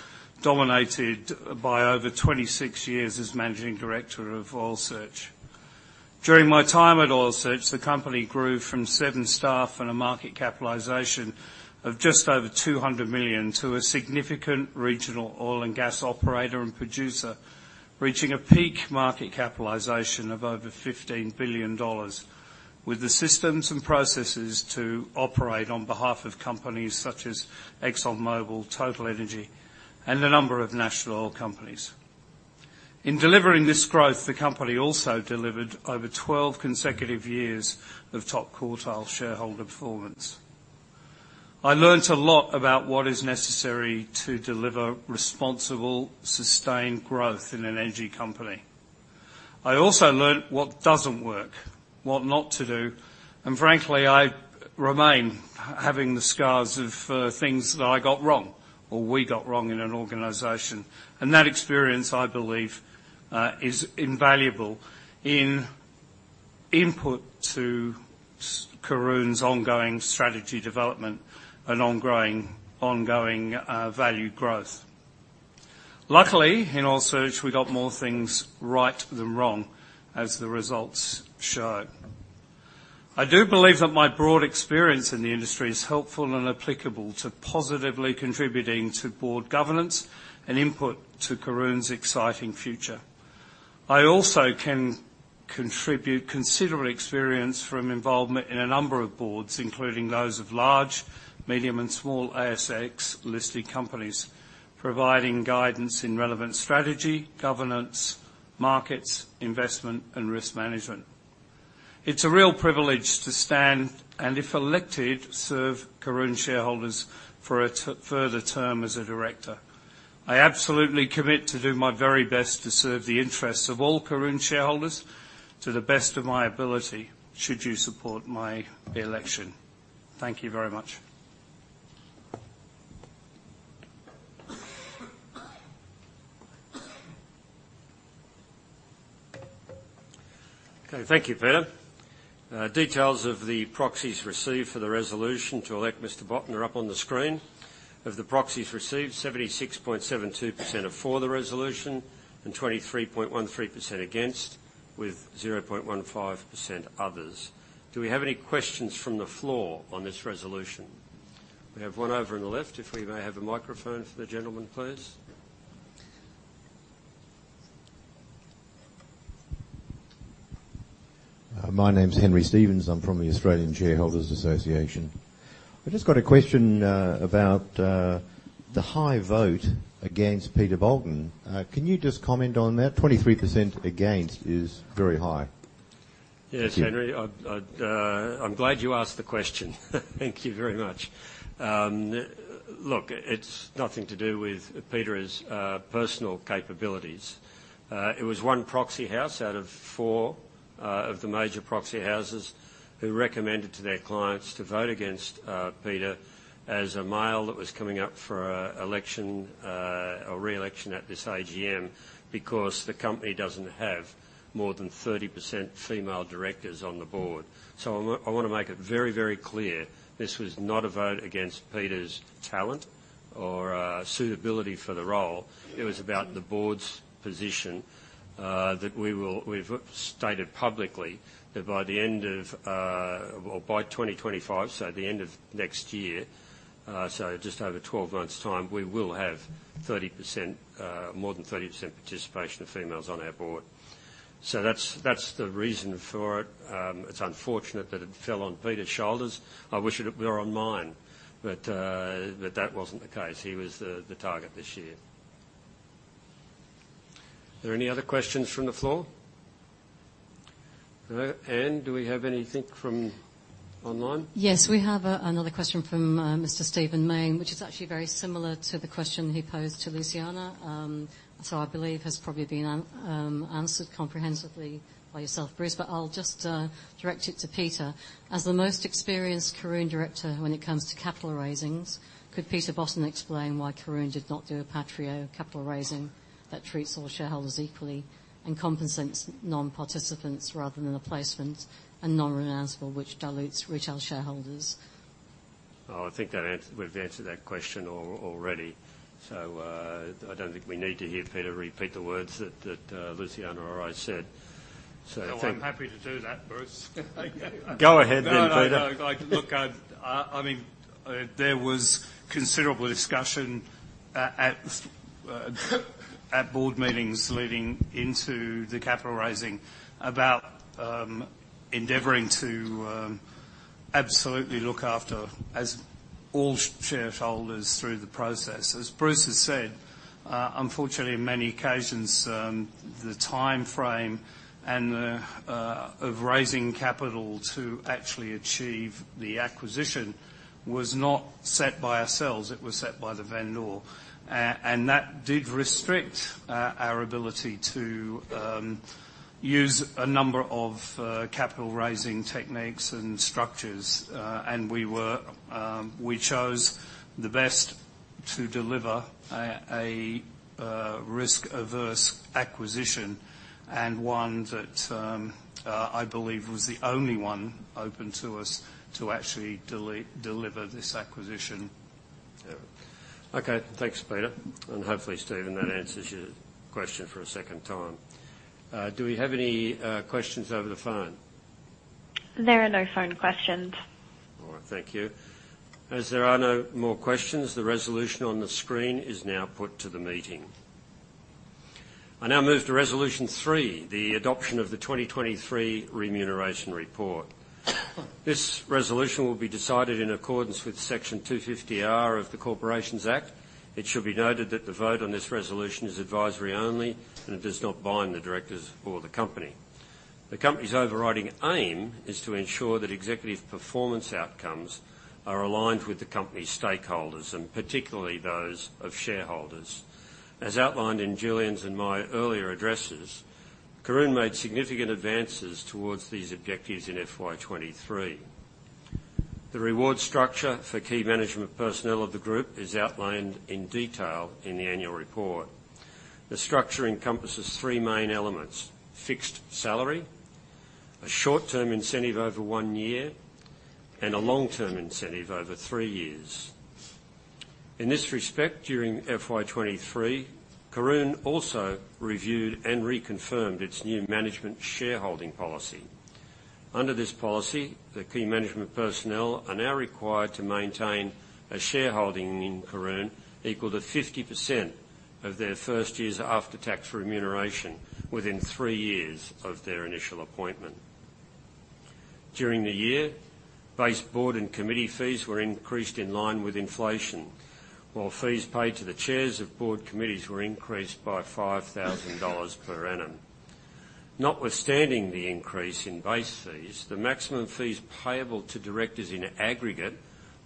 dominated by over 26 years as managing director of Oil Search. During my time at Oil Search, the company grew from seven staff and a market capitalization of just over A$200 million, to a significant regional oil and gas operator and producer, reaching a peak market capitalization of over $15 billion, with the systems and processes to operate on behalf of companies such as ExxonMobil, TotalEnergies, and a number of national oil companies. In delivering this growth, the company also delivered over 12 consecutive years of top-quartile shareholder performance. I learned a lot about what is necessary to deliver responsible, sustained growth in an energy company. I also learned what doesn't work, what not to do, and frankly, I remain having the scars of things that I got wrong or we got wrong in an organization. And that experience, I believe, is invaluable in input to Karoon's ongoing strategy development and ongoing value growth. Luckily, in Oil Search, we got more things right than wrong, as the results show. I do believe that my broad experience in the industry is helpful and applicable to positively contributing to board governance and input to Karoon's exciting future. I also can contribute considerable experience from involvement in a number of boards, including those of large, medium, and small ASX-listed companies, providing guidance in relevant strategy, governance, markets, investment, and risk management. It's a real privilege to stand, and if elected, serve Karoon shareholders for a further term as a director. I absolutely commit to do my very best to serve the interests of all Karoon shareholders to the best of my ability, should you support my election. Thank you very much. Okay, thank you, Peter. Details of the proxies received for the resolution to elect Mr. Botten are up on the screen. Of the proxies received, 76.72% are for the resolution and 23.13% against, with 0.15% others. Do we have any questions from the floor on this resolution? We have one over on the left. If we may have a microphone for the gentleman, please. My name is Henry Stephens. I'm from the Australian Shareholders Association. I've just got a question about the high vote against Peter Botten. Can you just comment on that? 23% against is very high.... Yes, Henry, I'm glad you asked the question. Thank you very much. Look, it's nothing to do with Peter's personal capabilities. It was one proxy house out of four of the major proxy houses who recommended to their clients to vote against Peter as a male that was coming up for election or re-election at this AGM, because the company doesn't have more than 30% female directors on the board. So I want, I want to make it very, very clear, this was not a vote against Peter's talent or suitability for the role. It was about the board's position that we've stated publicly that by the end of 2025, so the end of next year, so just over 12 months' time, we will have 30%, more than 30% participation of females on our board. So that's the reason for it. It's unfortunate that it fell on Peter's shoulders. I wish it were on mine, but that wasn't the case. He was the target this year. Are there any other questions from the floor? Ann, do we have anything from online? Yes, we have another question from Mr. Steven Mayne, which is actually very similar to the question he posed to Luciana. So I believe has probably been answered comprehensively by yourself, Bruce, but I'll just direct it to Peter. As the most experienced Karoon director when it comes to capital raisings, could Peter Botten explain why Karoon did not do a pro-rata capital raising that treats all shareholders equally and compensates non-participants rather than a placement and non-renounceable, which dilutes retail shareholders? Oh, I think that answer... We've answered that question already. So, I don't think we need to hear Peter repeat the words that Luciana or I said. So thank- No, I'm happy to do that, Bruce. Go ahead then, Peter. No, no, no. Like, look, I mean, there was considerable discussion at board meetings leading into the capital raising about endeavoring to absolutely look after as all shareholders through the process. As Bruce has said, unfortunately, in many occasions, the time frame of raising capital to actually achieve the acquisition was not set by ourselves. It was set by the vendor. And that did restrict our ability to use a number of capital raising techniques and structures. We chose the best to deliver a risk-averse acquisition and one that I believe was the only one open to us to actually deliver this acquisition. Yeah. Okay, thanks, Peter. Hopefully, Steven, that answers your question for a second time. Do we have any questions over the phone? There are no phone questions. All right. Thank you. As there are no more questions, the resolution on the screen is now put to the meeting. I now move to resolution three, the adoption of the 2023 remuneration report. This resolution will be decided in accordance with Section 250R of the Corporations Act. It should be noted that the vote on this resolution is advisory only, and it does not bind the directors or the company. The company's overriding aim is to ensure that executive performance outcomes are aligned with the company's stakeholders, and particularly those of shareholders. As outlined in Julian's and my earlier addresses, Karoon made significant advances towards these objectives in FY 2023. The reward structure for key management personnel of the group is outlined in detail in the annual report. The structure encompasses three main elements: fixed salary, a short-term incentive over one year, and a long-term incentive over three years. In this respect, during FY 2023, Karoon also reviewed and reconfirmed its new management shareholding policy. Under this policy, the key management personnel are now required to maintain a shareholding in Karoon equal to 50% of their first year's after-tax remuneration within three years of their initial appointment. During the year, base board and committee fees were increased in line with inflation, while fees paid to the chairs of board committees were increased by 5,000 dollars per annum. Notwithstanding the increase in base fees, the maximum fees payable to directors in aggregate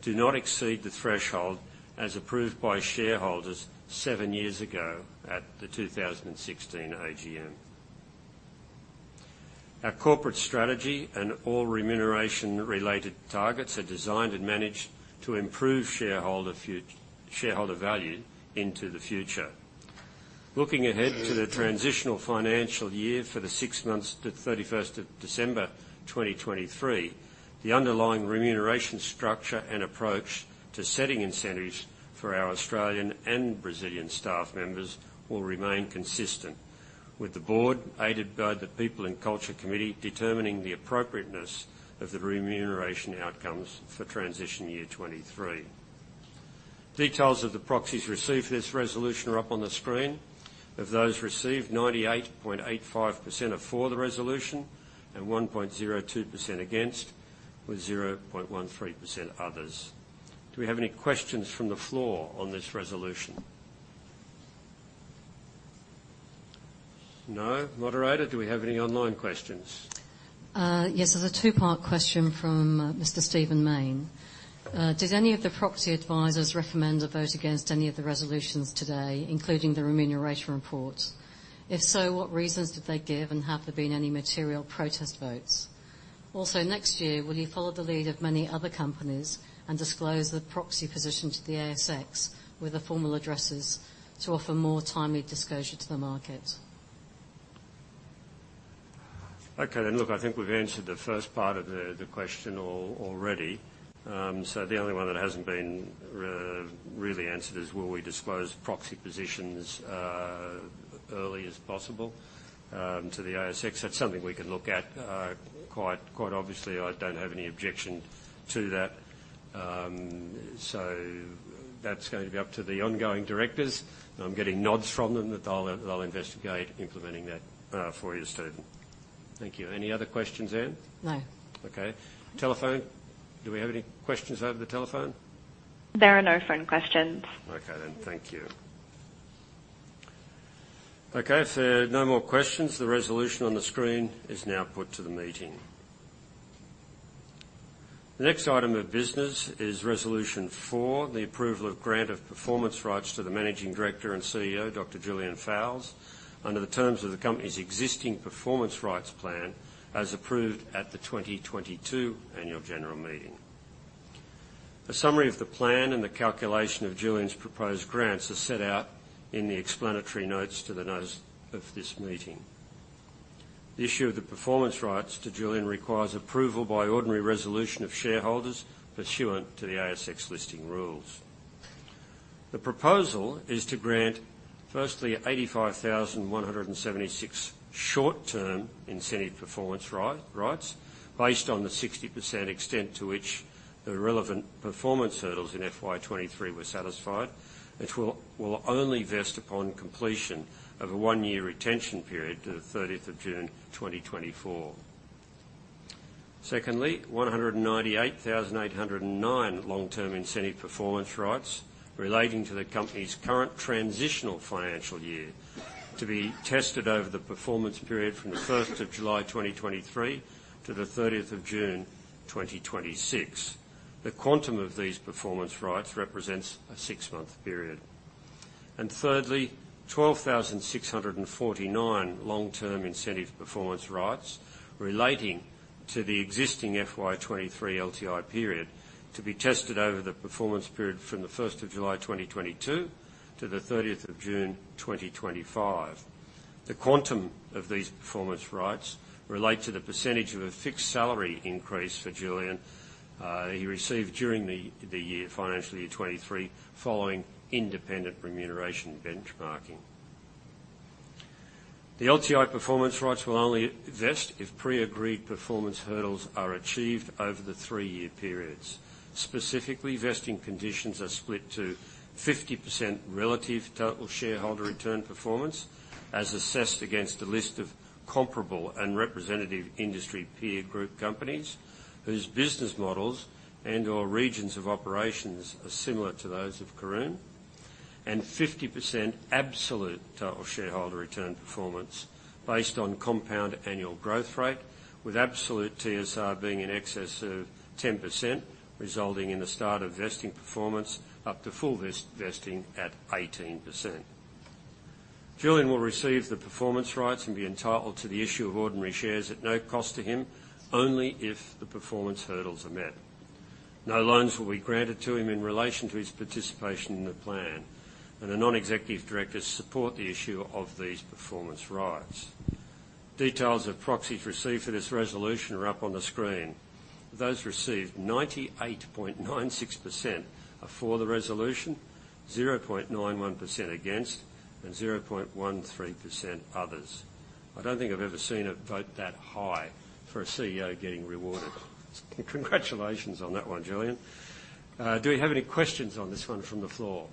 do not exceed the threshold as approved by shareholders seven years ago at the 2016 AGM. Our corporate strategy and all remuneration related targets are designed and managed to improve shareholder shareholder value into the future. Looking ahead to the transitional financial year for the six months to 31st December, 2023, the underlying remuneration structure and approach to setting incentives for our Australian and Brazilian staff members will remain consistent, with the board, aided by the People and Culture Committee, determining the appropriateness of the remuneration outcomes for transition year 2023. Details of the proxies received for this resolution are up on the screen. Of those received, 98.85% are for the resolution and 1.02% against, with 0.13% others. Do we have any questions from the floor on this resolution?... No. Moderator, do we have any online questions? Yes, there's a two-part question from Mr. Steven Maine. Did any of the proxy advisors recommend a vote against any of the resolutions today, including the remuneration report? If so, what reasons did they give, and have there been any material protest votes? Also, next year, will you follow the lead of many other companies and disclose the proxy position to the ASX with the formal addresses to offer more timely disclosure to the market? Okay, then look, I think we've answered the first part of the question already. So the only one that hasn't been really answered is will we disclose proxy positions early as possible to the ASX? That's something we can look at. Quite obviously, I don't have any objection to that. So that's going to be up to the ongoing directors. I'm getting nods from them that they'll investigate implementing that for you, Stephen. Thank you. Any other questions, Ann? No. Okay. Telephone, do we have any questions over the telephone? There are no phone questions. Okay then. Thank you. Okay, if there are no more questions, the resolution on the screen is now put to the meeting. The next item of business is Resolution four, the approval of grant of performance rights to the Managing Director and CEO, Dr. Julian Fowles, under the terms of the company's existing performance rights plan, as approved at the 2022 Annual General Meeting. A summary of the plan and the calculation of Julian's proposed grants are set out in the explanatory notes to the notice of this meeting. The issue of the performance rights to Julian requires approval by ordinary resolution of shareholders pursuant to the ASX listing rules. The proposal is to grant, firstly, 85,176 short-term incentive performance rights, based on the 60% extent to which the relevant performance hurdles in FY 2023 were satisfied, which will only vest upon completion of a one-year retention period to the thirtieth of June, 2024. Secondly, 198,809 long-term incentive performance rights relating to the company's current transitional financial year, to be tested over the performance period from the first of July, 2023 to the thirtieth of June, 2026. The quantum of these performance rights represents a six-month period. And thirdly, 12,649 long-term incentive performance rights relating to the existing FY 2023 LTI period, to be tested over the performance period from the first of July, 2022 to the thirtieth of June, 2025. The quantum of these performance rights relate to the percentage of a fixed salary increase for Julian he received during the year, financial year 2023, following independent remuneration benchmarking. The LTI performance rights will only vest if pre-agreed performance hurdles are achieved over the three-year periods. Specifically, vesting conditions are split to 50% relative total shareholder return performance, as assessed against a list of comparable and representative industry peer group companies whose business models and/or regions of operations are similar to those of Karoon. Fifty percent absolute total shareholder return performance based on compound annual growth rate, with absolute TSR being in excess of 10%, resulting in the start of vesting performance up to full vest, vesting at 18%. Julian will receive the performance rights and be entitled to the issue of ordinary shares at no cost to him, only if the performance hurdles are met. No loans will be granted to him in relation to his participation in the plan, and the non-executive directors support the issue of these performance rights. Details of proxies received for this resolution are up on the screen. Those received, 98.96% are for the resolution, 0.91% against, and 0.13% others. I don't think I've ever seen a vote that high for a CEO getting rewarded. Congratulations on that one, Julian. Do we have any questions on this one from the floor?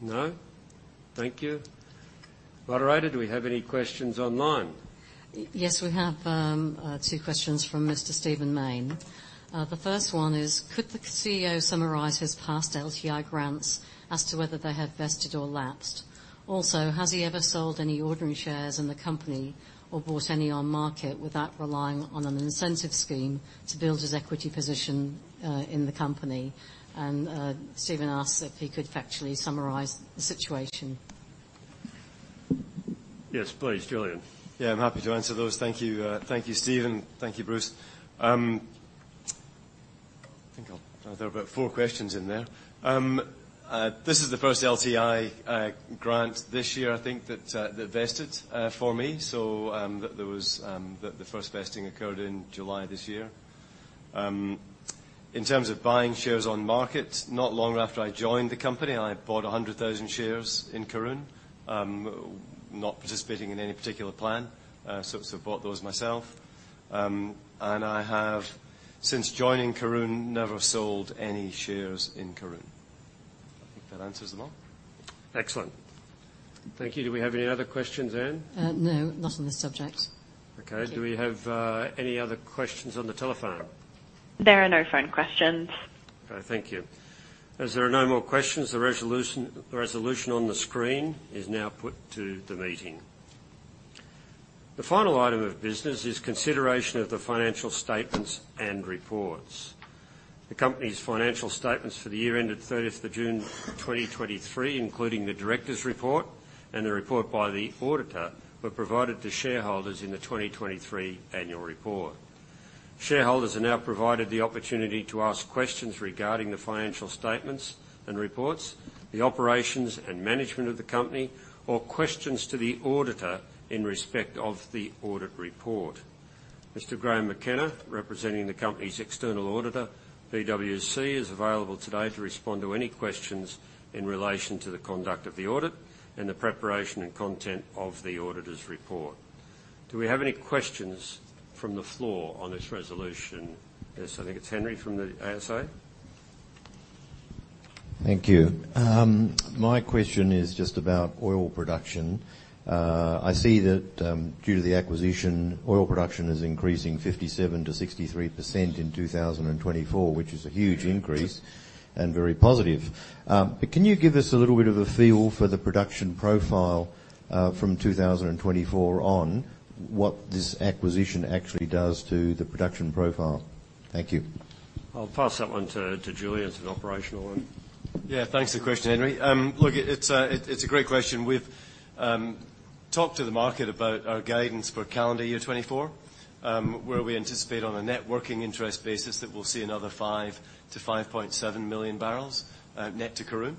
No? Thank you. Moderator, do we have any questions online? Yes, we have two questions from Mr. Steven Maine. The first one is: Could the CEO summarize his past LTI grants as to whether they have vested or lapsed? Also, has he ever sold any ordinary shares in the company or bought any on market without relying on an incentive scheme to build his equity position in the company? And, Steven asks if he could factually summarize the situation. Yes, please, Julian. Yeah, I'm happy to answer those. Thank you, thank you, Steven. Thank you, Bruce. I think I'll... There are about four questions in there. This is the first LTI grant this year, I think that vested for me. So, the first vesting occurred in July this year. In terms of buying shares on market, not long after I joined the company, I bought 100,000 shares in Karoon, not participating in any particular plan, so I bought those myself. And I have, since joining Karoon, never sold any shares in Karoon. I think that answers them all. Excellent. Thank you. Do we have any other questions, Ann? No, not on this subject. Okay. Thank you. Do we have any other questions on the telephone? There are no phone questions. Okay. Thank you. As there are no more questions, the resolution, the resolution on the screen is now put to the meeting. The final item of business is consideration of the financial statements and reports. The company's financial statements for the year ended 30th of June 2023, including the director's report and the report by the auditor, were provided to shareholders in the 2023 annual report. Shareholders are now provided the opportunity to ask questions regarding the financial statements and reports, the operations and management of the company, or questions to the auditor in respect of the audit report. Mr. Graham McKenna, representing the company's external auditor, PwC, is available today to respond to any questions in relation to the conduct of the audit and the preparation and content of the auditor's report. Do we have any questions from the floor on this resolution? Yes, I think it's Henry from the ASA. Thank you. My question is just about oil production. I see that, due to the acquisition, oil production is increasing 57%-63% in 2024, which is a huge increase and very positive. But can you give us a little bit of a feel for the production profile, from 2024 on, what this acquisition actually does to the production profile? Thank you. I'll pass that one to Julian. It's an operational one. Yeah, thanks for the question, Henry. Look, it's a great question. We've talked to the market about our guidance for calendar year 2024, where we anticipate on a net working interest basis that we'll see another 5 million-5.7 million barrels, net to Karoon.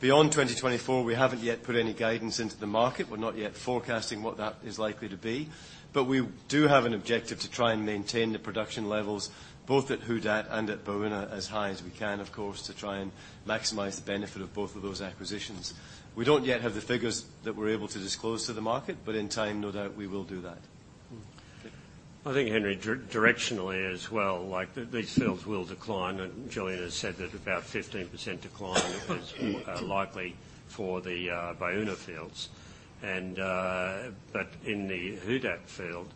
Beyond 2024, we haven't yet put any guidance into the market. We're not yet forecasting what that is likely to be. But we do have an objective to try and maintain the production levels, both at Who Dat and at Baúna as high as we can, of course, to try and maximize the benefit of both of those acquisitions. We don't yet have the figures that we're able to disclose to the market, but in time, no doubt, we will do that. Mm-hmm. I think, Henry, directionally as well, like, these fields will decline, and Julian has said that about 15% decline is likely for the Baúna fields. But in the Who Dat field,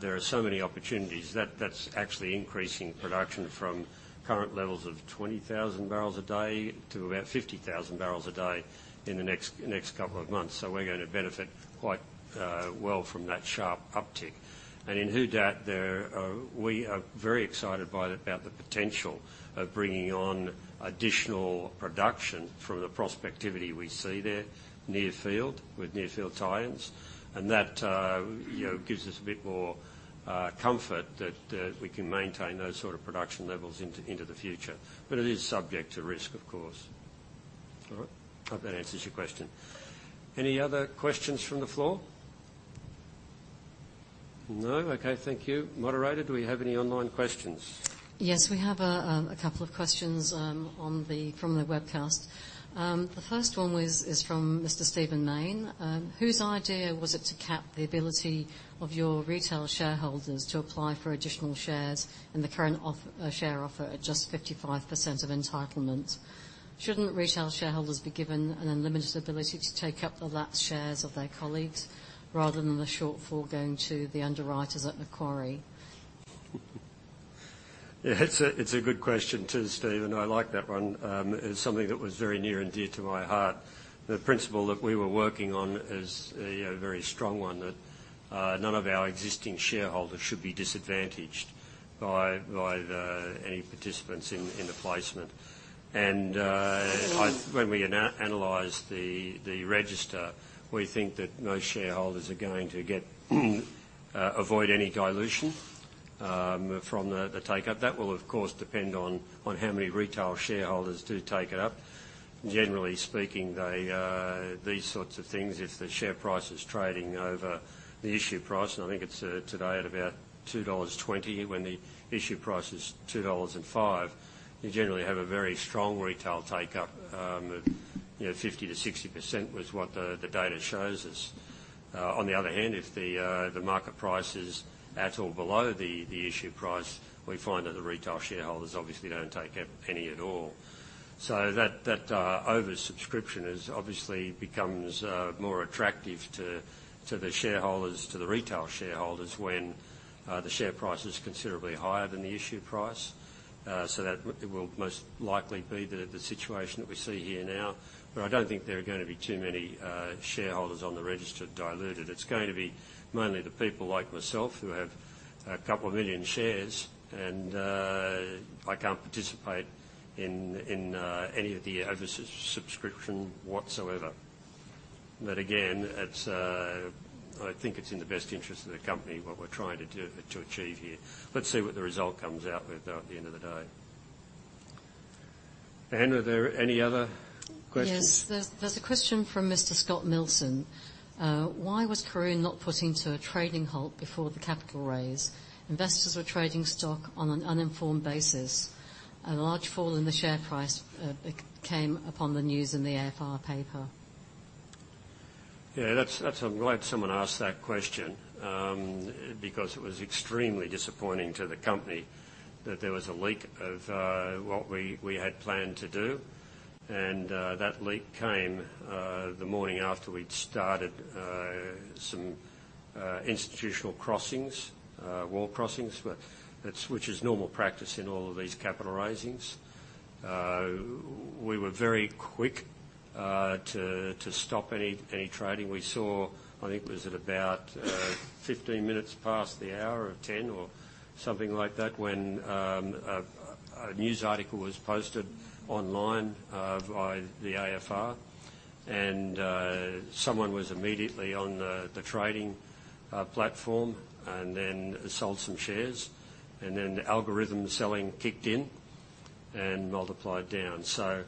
there are so many opportunities that that's actually increasing production from current levels of 20,000 barrels a day to about 50,000 barrels a day in the next couple of months. So we're gonna benefit quite well from that sharp uptick. And in Who Dat, there, we are very excited about the potential of bringing on additional production from the prospectivity we see there near field, with near field tie-ins. And that, you know, gives us a bit more comfort that we can maintain those sort of production levels into the future. But it is subject to risk, of course. All right? Hope that answers your question. Any other questions from the floor? No. Okay, thank you. Moderator, do we have any online questions? Yes, we have a couple of questions from the webcast. The first one is from Mr. Steven Maine. Whose idea was it to cap the ability of your retail shareholders to apply for additional shares in the current off share offer at just 55% of entitlement? Shouldn't retail shareholders be given an unlimited ability to take up the lapsed shares of their colleagues, rather than the shortfall going to the underwriters at Macquarie? Yeah, it's a good question, too, Steven. I like that one. It's something that was very near and dear to my heart. The principle that we were working on is a very strong one, that none of our existing shareholders should be disadvantaged by any participants in the placement. And, I- When we analyze the register, we think that most shareholders are going to avoid any dilution from the take-up. That will, of course, depend on how many retail shareholders do take it up. Generally speaking, these sorts of things, if the share price is trading over the issue price, and I think it's today at about 2.20 dollars, when the issue price is 2.05 dollars, you generally have a very strong retail take-up. You know, 50%-60% was what the data shows us. On the other hand, if the market price is at or below the issue price, we find that the retail shareholders obviously don't take up any at all. So that oversubscription is obviously becomes more attractive to the shareholders, to the retail shareholders, when the share price is considerably higher than the issue price. So that will most likely be the situation that we see here now, but I don't think there are gonna be too many shareholders on the register diluted. It's going to be mainly the people like myself, who have a couple of million shares, and I can't participate in any of the oversubscription whatsoever. But again, it's... I think it's in the best interest of the company, what we're trying to do, to achieve here. Let's see what the result comes out with at the end of the day. Ann, are there any other questions? Yes. There's a question from Mr. Scott Milson. Why was Karoon not put into a trading halt before the capital raise? Investors were trading stock on an uninformed basis. A large fall in the share price came upon the news in the AFR paper.... Yeah, that's, I'm glad someone asked that question, because it was extremely disappointing to the company that there was a leak of what we had planned to do. And that leak came the morning after we'd started some institutional crossings, wall crossings, but that's which is normal practice in all of these capital raisings. We were very quick to stop any trading. We saw, I think it was at about 10:15 A.M. or something like that, when a news article was posted online by the AFR. And someone was immediately on the trading platform and then sold some shares, and then the algorithm selling kicked in and multiplied down. So,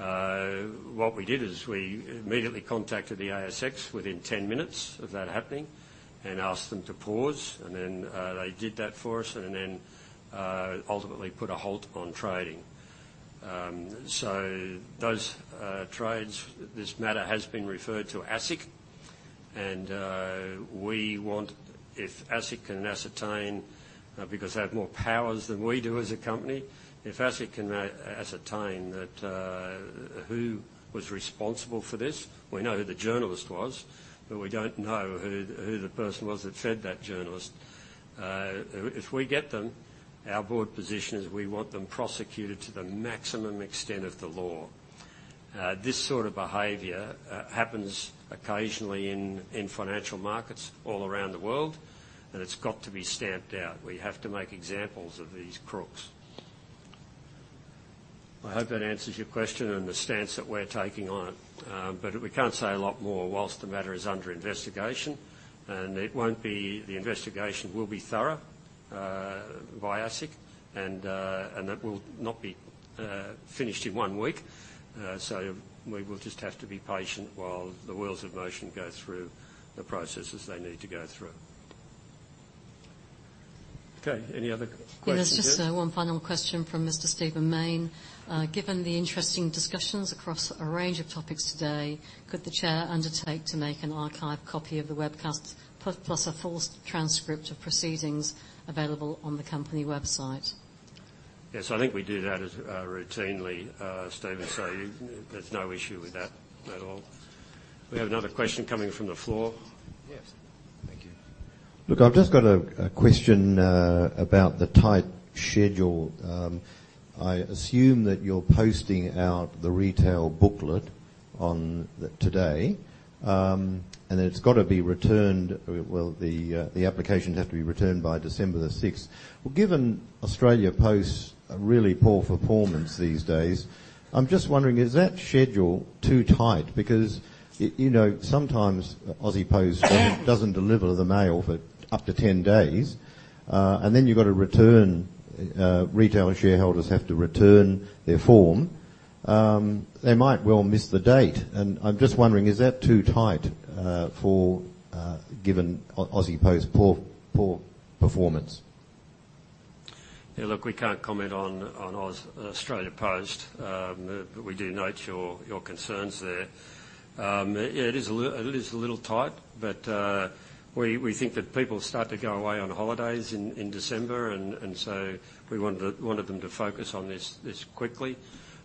what we did is we immediately contacted the ASX within 10 minutes of that happening and asked them to pause, and then, they did that for us and then, ultimately put a halt on trading. So those trades, this matter has been referred to ASIC, and, we want, if ASIC can ascertain, because they have more powers than we do as a company, if ASIC can ascertain that, who was responsible for this. We know who the journalist was, but we don't know who the, who the person was that fed that journalist. If we get them, our board position is we want them prosecuted to the maximum extent of the law. This sort of behavior happens occasionally in financial markets all around the world, and it's got to be stamped out. We have to make examples of these crooks. I hope that answers your question and the stance that we're taking on it. But we can't say a lot more whilst the matter is under investigation, and it won't be. The investigation will be thorough, by ASIC, and it will not be finished in one week. So we will just have to be patient while the wheels of motion go through the processes they need to go through. Okay, any other questions here? Yes, just, one final question from Mr. Steven Mayne. Given the interesting discussions across a range of topics today, could the chair undertake to make an archive copy of the webcast, plus a full transcript of proceedings available on the company website? Yes, I think we do that as routinely, Steven, so there's no issue with that at all. We have another question coming from the floor. Yes. Thank you. Look, I've just got a question about the tight schedule. I assume that you're posting out the retail booklet on today, and it's gotta be returned, well, the applications have to be returned by December 6. Well, given Australia Post's really poor performance these days, I'm just wondering, is that schedule too tight? Because you know, sometimes Aussie Post doesn't deliver the mail for up to 10 days, and then you've got to return, retail shareholders have to return their form. They might well miss the date, and I'm just wondering, is that too tight, for given Aussie Post's poor, poor performance? Yeah, look, we can't comment on Australia Post, but we do note your concerns there. Yeah, it is a little tight, but we think that people start to go away on holidays in December, and so we wanted them to focus on this quickly.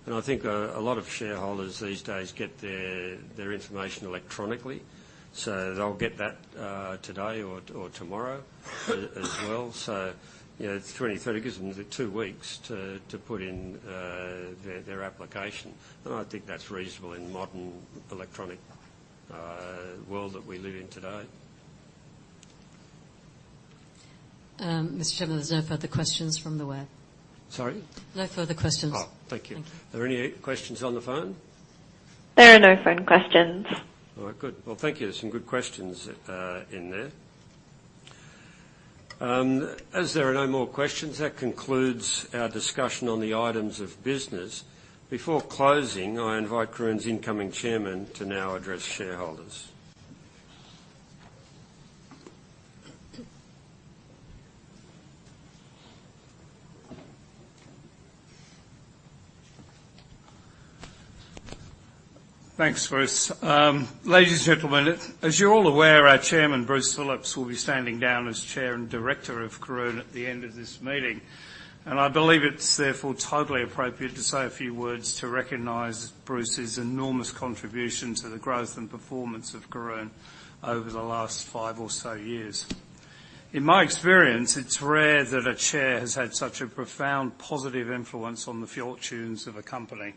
And I think a lot of shareholders these days get their information electronically, so they'll get that today or tomorrow as well. So, you know, it's 23 days, two weeks to put in their application, and I think that's reasonable in the modern electronic world that we live in today. Mr. Chairman, there's no further questions from the web. Sorry? No further questions. Oh, thank you. Thank you. Are there any questions on the phone? There are no phone questions. All right. Good. Well, thank you. There's some good questions in there. As there are no more questions, that concludes our discussion on the items of business. Before closing, I invite Karoon's incoming chairman to now address shareholders. Thanks, Bruce. Ladies and gentlemen, as you're all aware, our chairman, Bruce Phillips, will be standing down as chair and director of Karoon at the end of this meeting, and I believe it's therefore totally appropriate to say a few words to recognize Bruce's enormous contribution to the growth and performance of Karoon over the last five or so years. In my experience, it's rare that a chair has had such a profound positive influence on the fortunes of a company.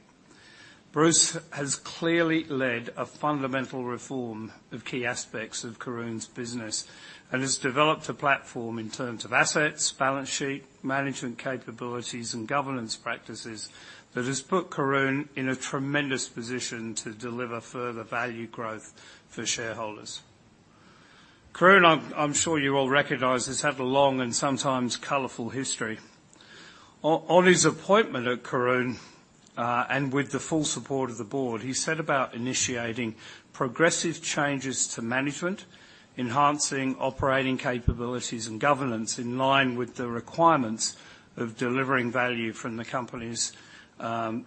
Bruce has clearly led a fundamental reform of key aspects of Karoon's business and has developed a platform in terms of assets, balance sheet, management capabilities, and governance practices that has put Karoon in a tremendous position to deliver further value growth for shareholders. Karoon, I'm sure you all recognize, has had a long and sometimes colorful history. On his appointment at Karoon, and with the full support of the board, he set about initiating progressive changes to management, enhancing operating capabilities and governance in line with the requirements of delivering value from the company's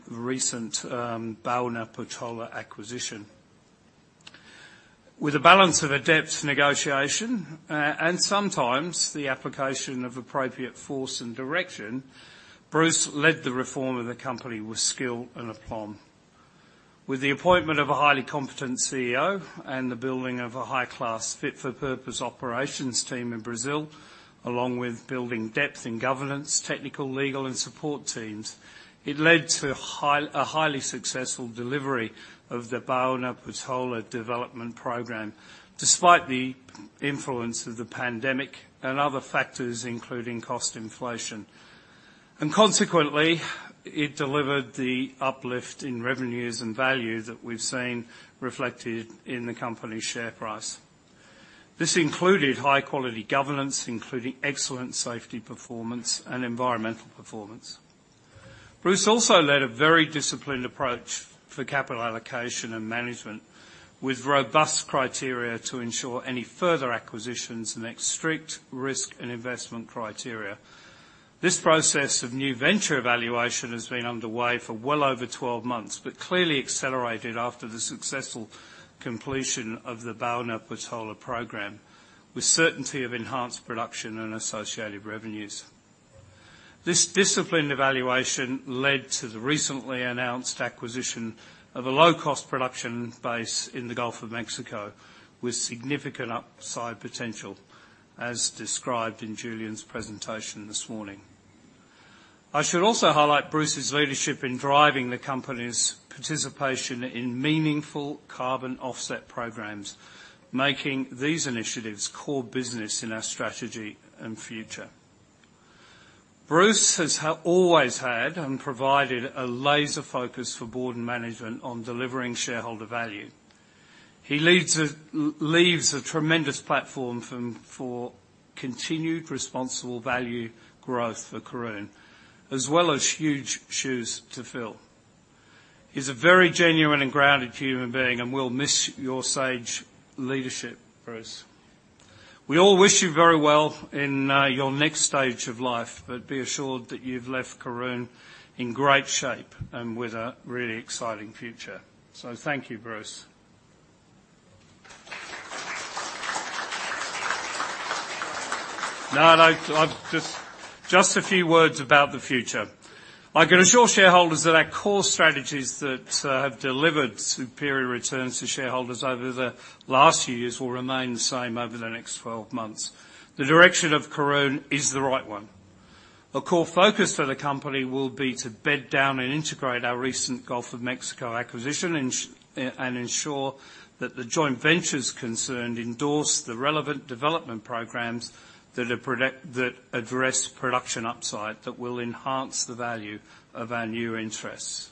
recent Baúna-Patola acquisition. With a balance of adept negotiation, and sometimes the application of appropriate force and direction, Bruce led the reform of the company with skill and aplomb. With the appointment of a highly competent CEO and the building of a high-class, fit-for-purpose operations team in Brazil, along with building depth in governance, technical, legal, and support teams, it led to a highly successful delivery of the Baúna-Patola development program, despite the influence of the pandemic and other factors, including cost inflation. Consequently, it delivered the uplift in revenues and value that we've seen reflected in the company's share price. This included high-quality governance, including excellent safety performance and environmental performance. Bruce also led a very disciplined approach for capital allocation and management, with robust criteria to ensure any further acquisitions and strict risk and investment criteria. This process of new venture evaluation has been underway for well over 12 months, but clearly accelerated after the successful completion of the Baúna-Patola program, with certainty of enhanced production and associated revenues. This disciplined evaluation led to the recently announced acquisition of a low-cost production base in the Gulf of Mexico, with significant upside potential, as described in Julian's presentation this morning. I should also highlight Bruce's leadership in driving the company's participation in meaningful carbon offset programs, making these initiatives core business in our strategy and future. Bruce has always had and provided a laser focus for board and management on delivering shareholder value. He leaves a tremendous platform for continued responsible value growth for Karoon, as well as huge shoes to fill. He's a very genuine and grounded human being, and we'll miss your sage leadership, Bruce. We all wish you very well in your next stage of life, but be assured that you've left Karoon in great shape and with a really exciting future. So thank you, Bruce. Now, I've just a few words about the future. I can assure shareholders that our core strategies that have delivered superior returns to shareholders over the last few years will remain the same over the next 12 months. The direction of Karoon is the right one. A core focus for the company will be to bed down and integrate our recent Gulf of Mexico acquisition, and ensure that the joint ventures concerned endorse the relevant development programs that address production upside, that will enhance the value of our new interests.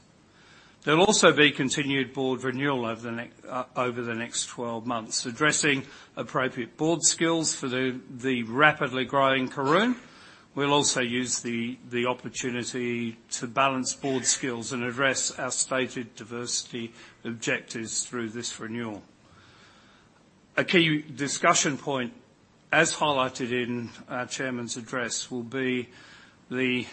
There'll also be continued board renewal over the next 12 months, addressing appropriate board skills for the rapidly growing Karoon. We'll also use the opportunity to balance board skills and address our stated diversity objectives through this renewal. A key discussion point, as highlighted in our chairman's address, will be the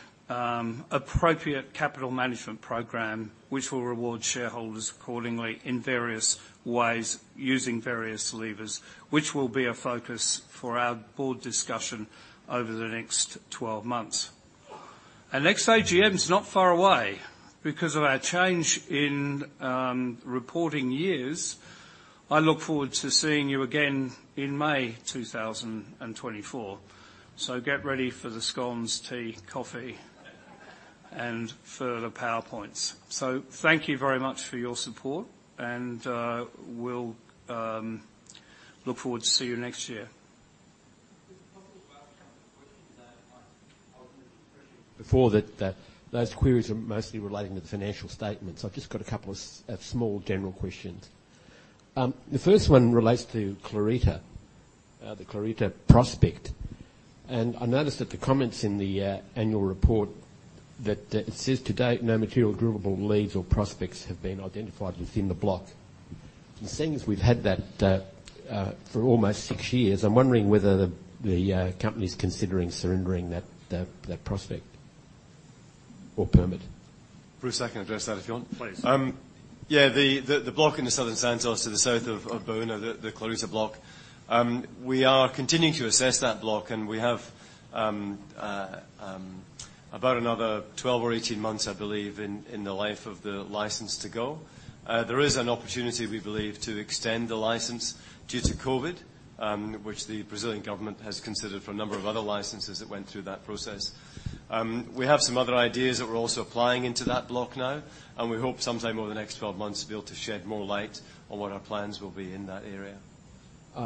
appropriate capital management program, which will reward shareholders accordingly in various ways, using various levers, which will be a focus for our board discussion over the next 12 months. Our next AGM is not far away. Because of our change in reporting years, I look forward to seeing you again in May 2024. So get ready for the scones, tea, coffee, and further PowerPoints. So thank you very much for your support, and we'll look forward to see you next year. Just a couple of questions I asked before, that those queries are mostly relating to the financial statements. I've just got a couple of small general questions. The first one relates to Clorita, the Clorita prospect. I noticed that the comments in the annual report, that it says to date, no material drillable leads or prospects have been identified within the block. Seeing as we've had that for almost six years, I'm wondering whether the company's considering surrendering that prospect or permit. Bruce, I can address that if you want. Please. Yeah, the block in the southern Santos to the south of Baúna, the Clorita block, we are continuing to assess that block, and we have about another 12 or 18 months, I believe, in the life of the license to go. There is an opportunity, we believe, to extend the license due to COVID, which the Brazilian government has considered for a number of other licenses that went through that process. We have some other ideas that we're also applying into that block now, and we hope sometime over the next 12 months to be able to shed more light on what our plans will be in that area.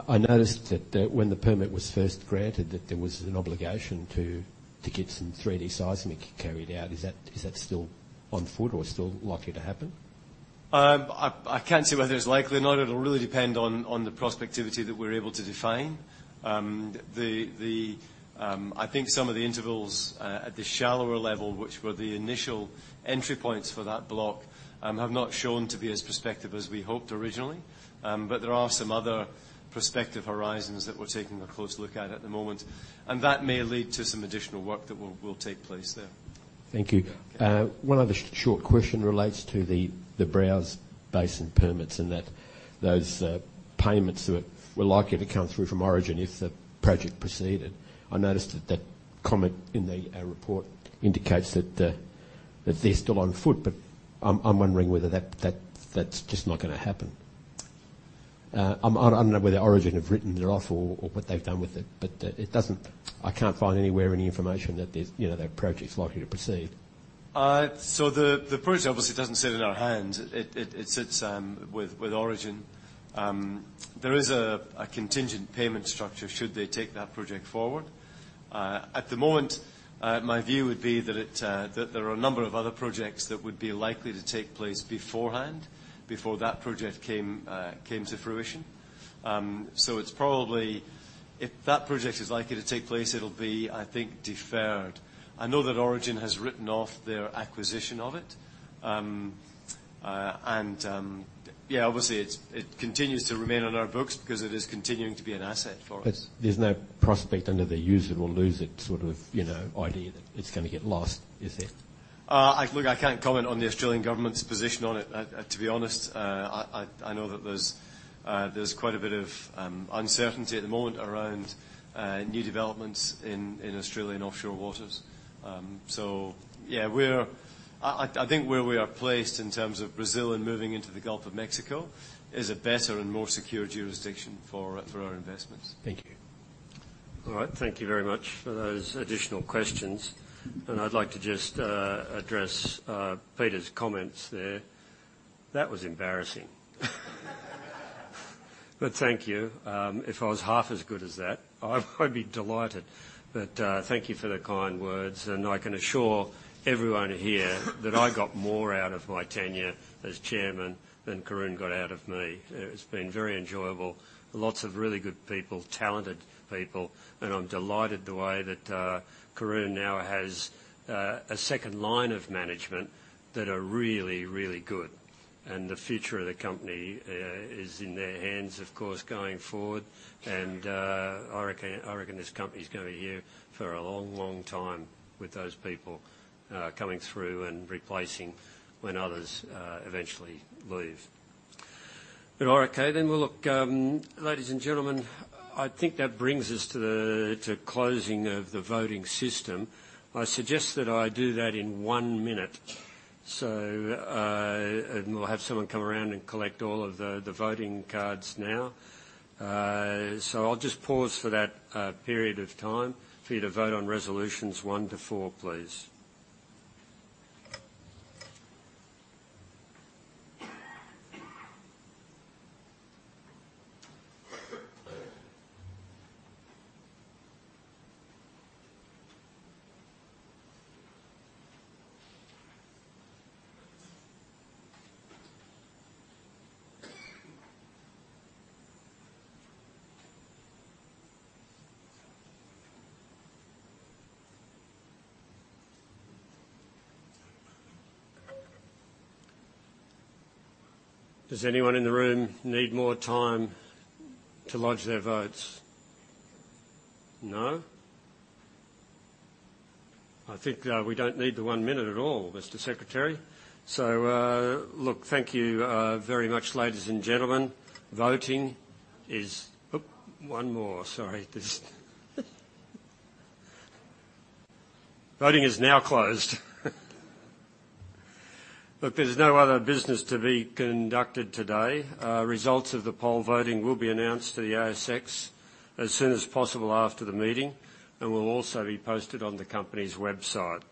I noticed that when the permit was first granted, there was an obligation to get some three-D seismic carried out. Is that still on foot or still likely to happen? I can't say whether it's likely or not. It'll really depend on the prospectivity that we're able to define. I think some of the intervals at the shallower level, which were the initial entry points for that block, have not shown to be as prospective as we hoped originally. But there are some other prospective horizons that we're taking a close look at the moment, and that may lead to some additional work that will take place there. ...Thank you. One other short question relates to the Browse Basin permits and those payments that were likely to come through from Origin if the project proceeded. I noticed that comment in the report indicates that they're still afoot, but I'm wondering whether that's just not gonna happen. I don't know whether Origin have written it off or what they've done with it, but it doesn't... I can't find anywhere any information that there's, you know, that project's likely to proceed. So the project obviously doesn't sit in our hands. It sits with Origin. There is a contingent payment structure should they take that project forward. At the moment, my view would be that there are a number of other projects that would be likely to take place beforehand, before that project came to fruition. So it's probably... If that project is likely to take place, it'll be, I think, deferred. I know that Origin has written off their acquisition of it. And yeah, obviously, it continues to remain on our books because it is continuing to be an asset for us. But there's no prospect under the use it or lose it sort of, you know, idea that it's gonna get lost, is it? Look, I can't comment on the Australian government's position on it. To be honest, I know that there's quite a bit of uncertainty at the moment around new developments in Australian offshore waters. So yeah, I think where we are placed in terms of Brazil and moving into the Gulf of Mexico is a better and more secure jurisdiction for our investments. Thank you. All right. Thank you very much for those additional questions. And I'd like to just address Peter's comments there. That was embarrassing. But thank you. If I was half as good as that, I'd be delighted. But thank you for the kind words, and I can assure everyone here that I got more out of my tenure as chairman than Karoon got out of me. It's been very enjoyable. Lots of really good people, talented people, and I'm delighted the way that Karoon now has a second line of management that are really, really good. And the future of the company is in their hands, of course, going forward. And I reckon this company's gonna be here for a long, long time with those people coming through and replacing when others eventually leave. But all right, okay then. Well, look, ladies and gentlemen, I think that brings us to the closing of the voting system. I suggest that I do that in one minute. So, and we'll have someone come around and collect all of the voting cards now. So I'll just pause for that period of time for you to vote on resolutions one to four, please. Does anyone in the room need more time to lodge their votes? No? I think we don't need the one minute at all, Mr. Secretary. So, look, thank you very much, ladies and gentlemen. Voting is... Oop, one more. Sorry, there's- Voting is now closed. Look, there's no other business to be conducted today. Results of the poll voting will be announced to the ASX as soon as possible after the meeting and will also be posted on the company's website.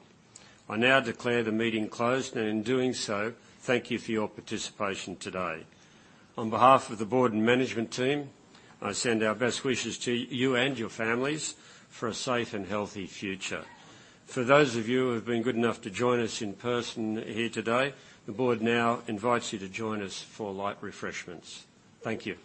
I now declare the meeting closed, and in doing so, thank you for your participation today. On behalf of the board and management team, I send our best wishes to you and your families for a safe and healthy future. For those of you who have been good enough to join us in person here today, the board now invites you to join us for light refreshments. Thank you.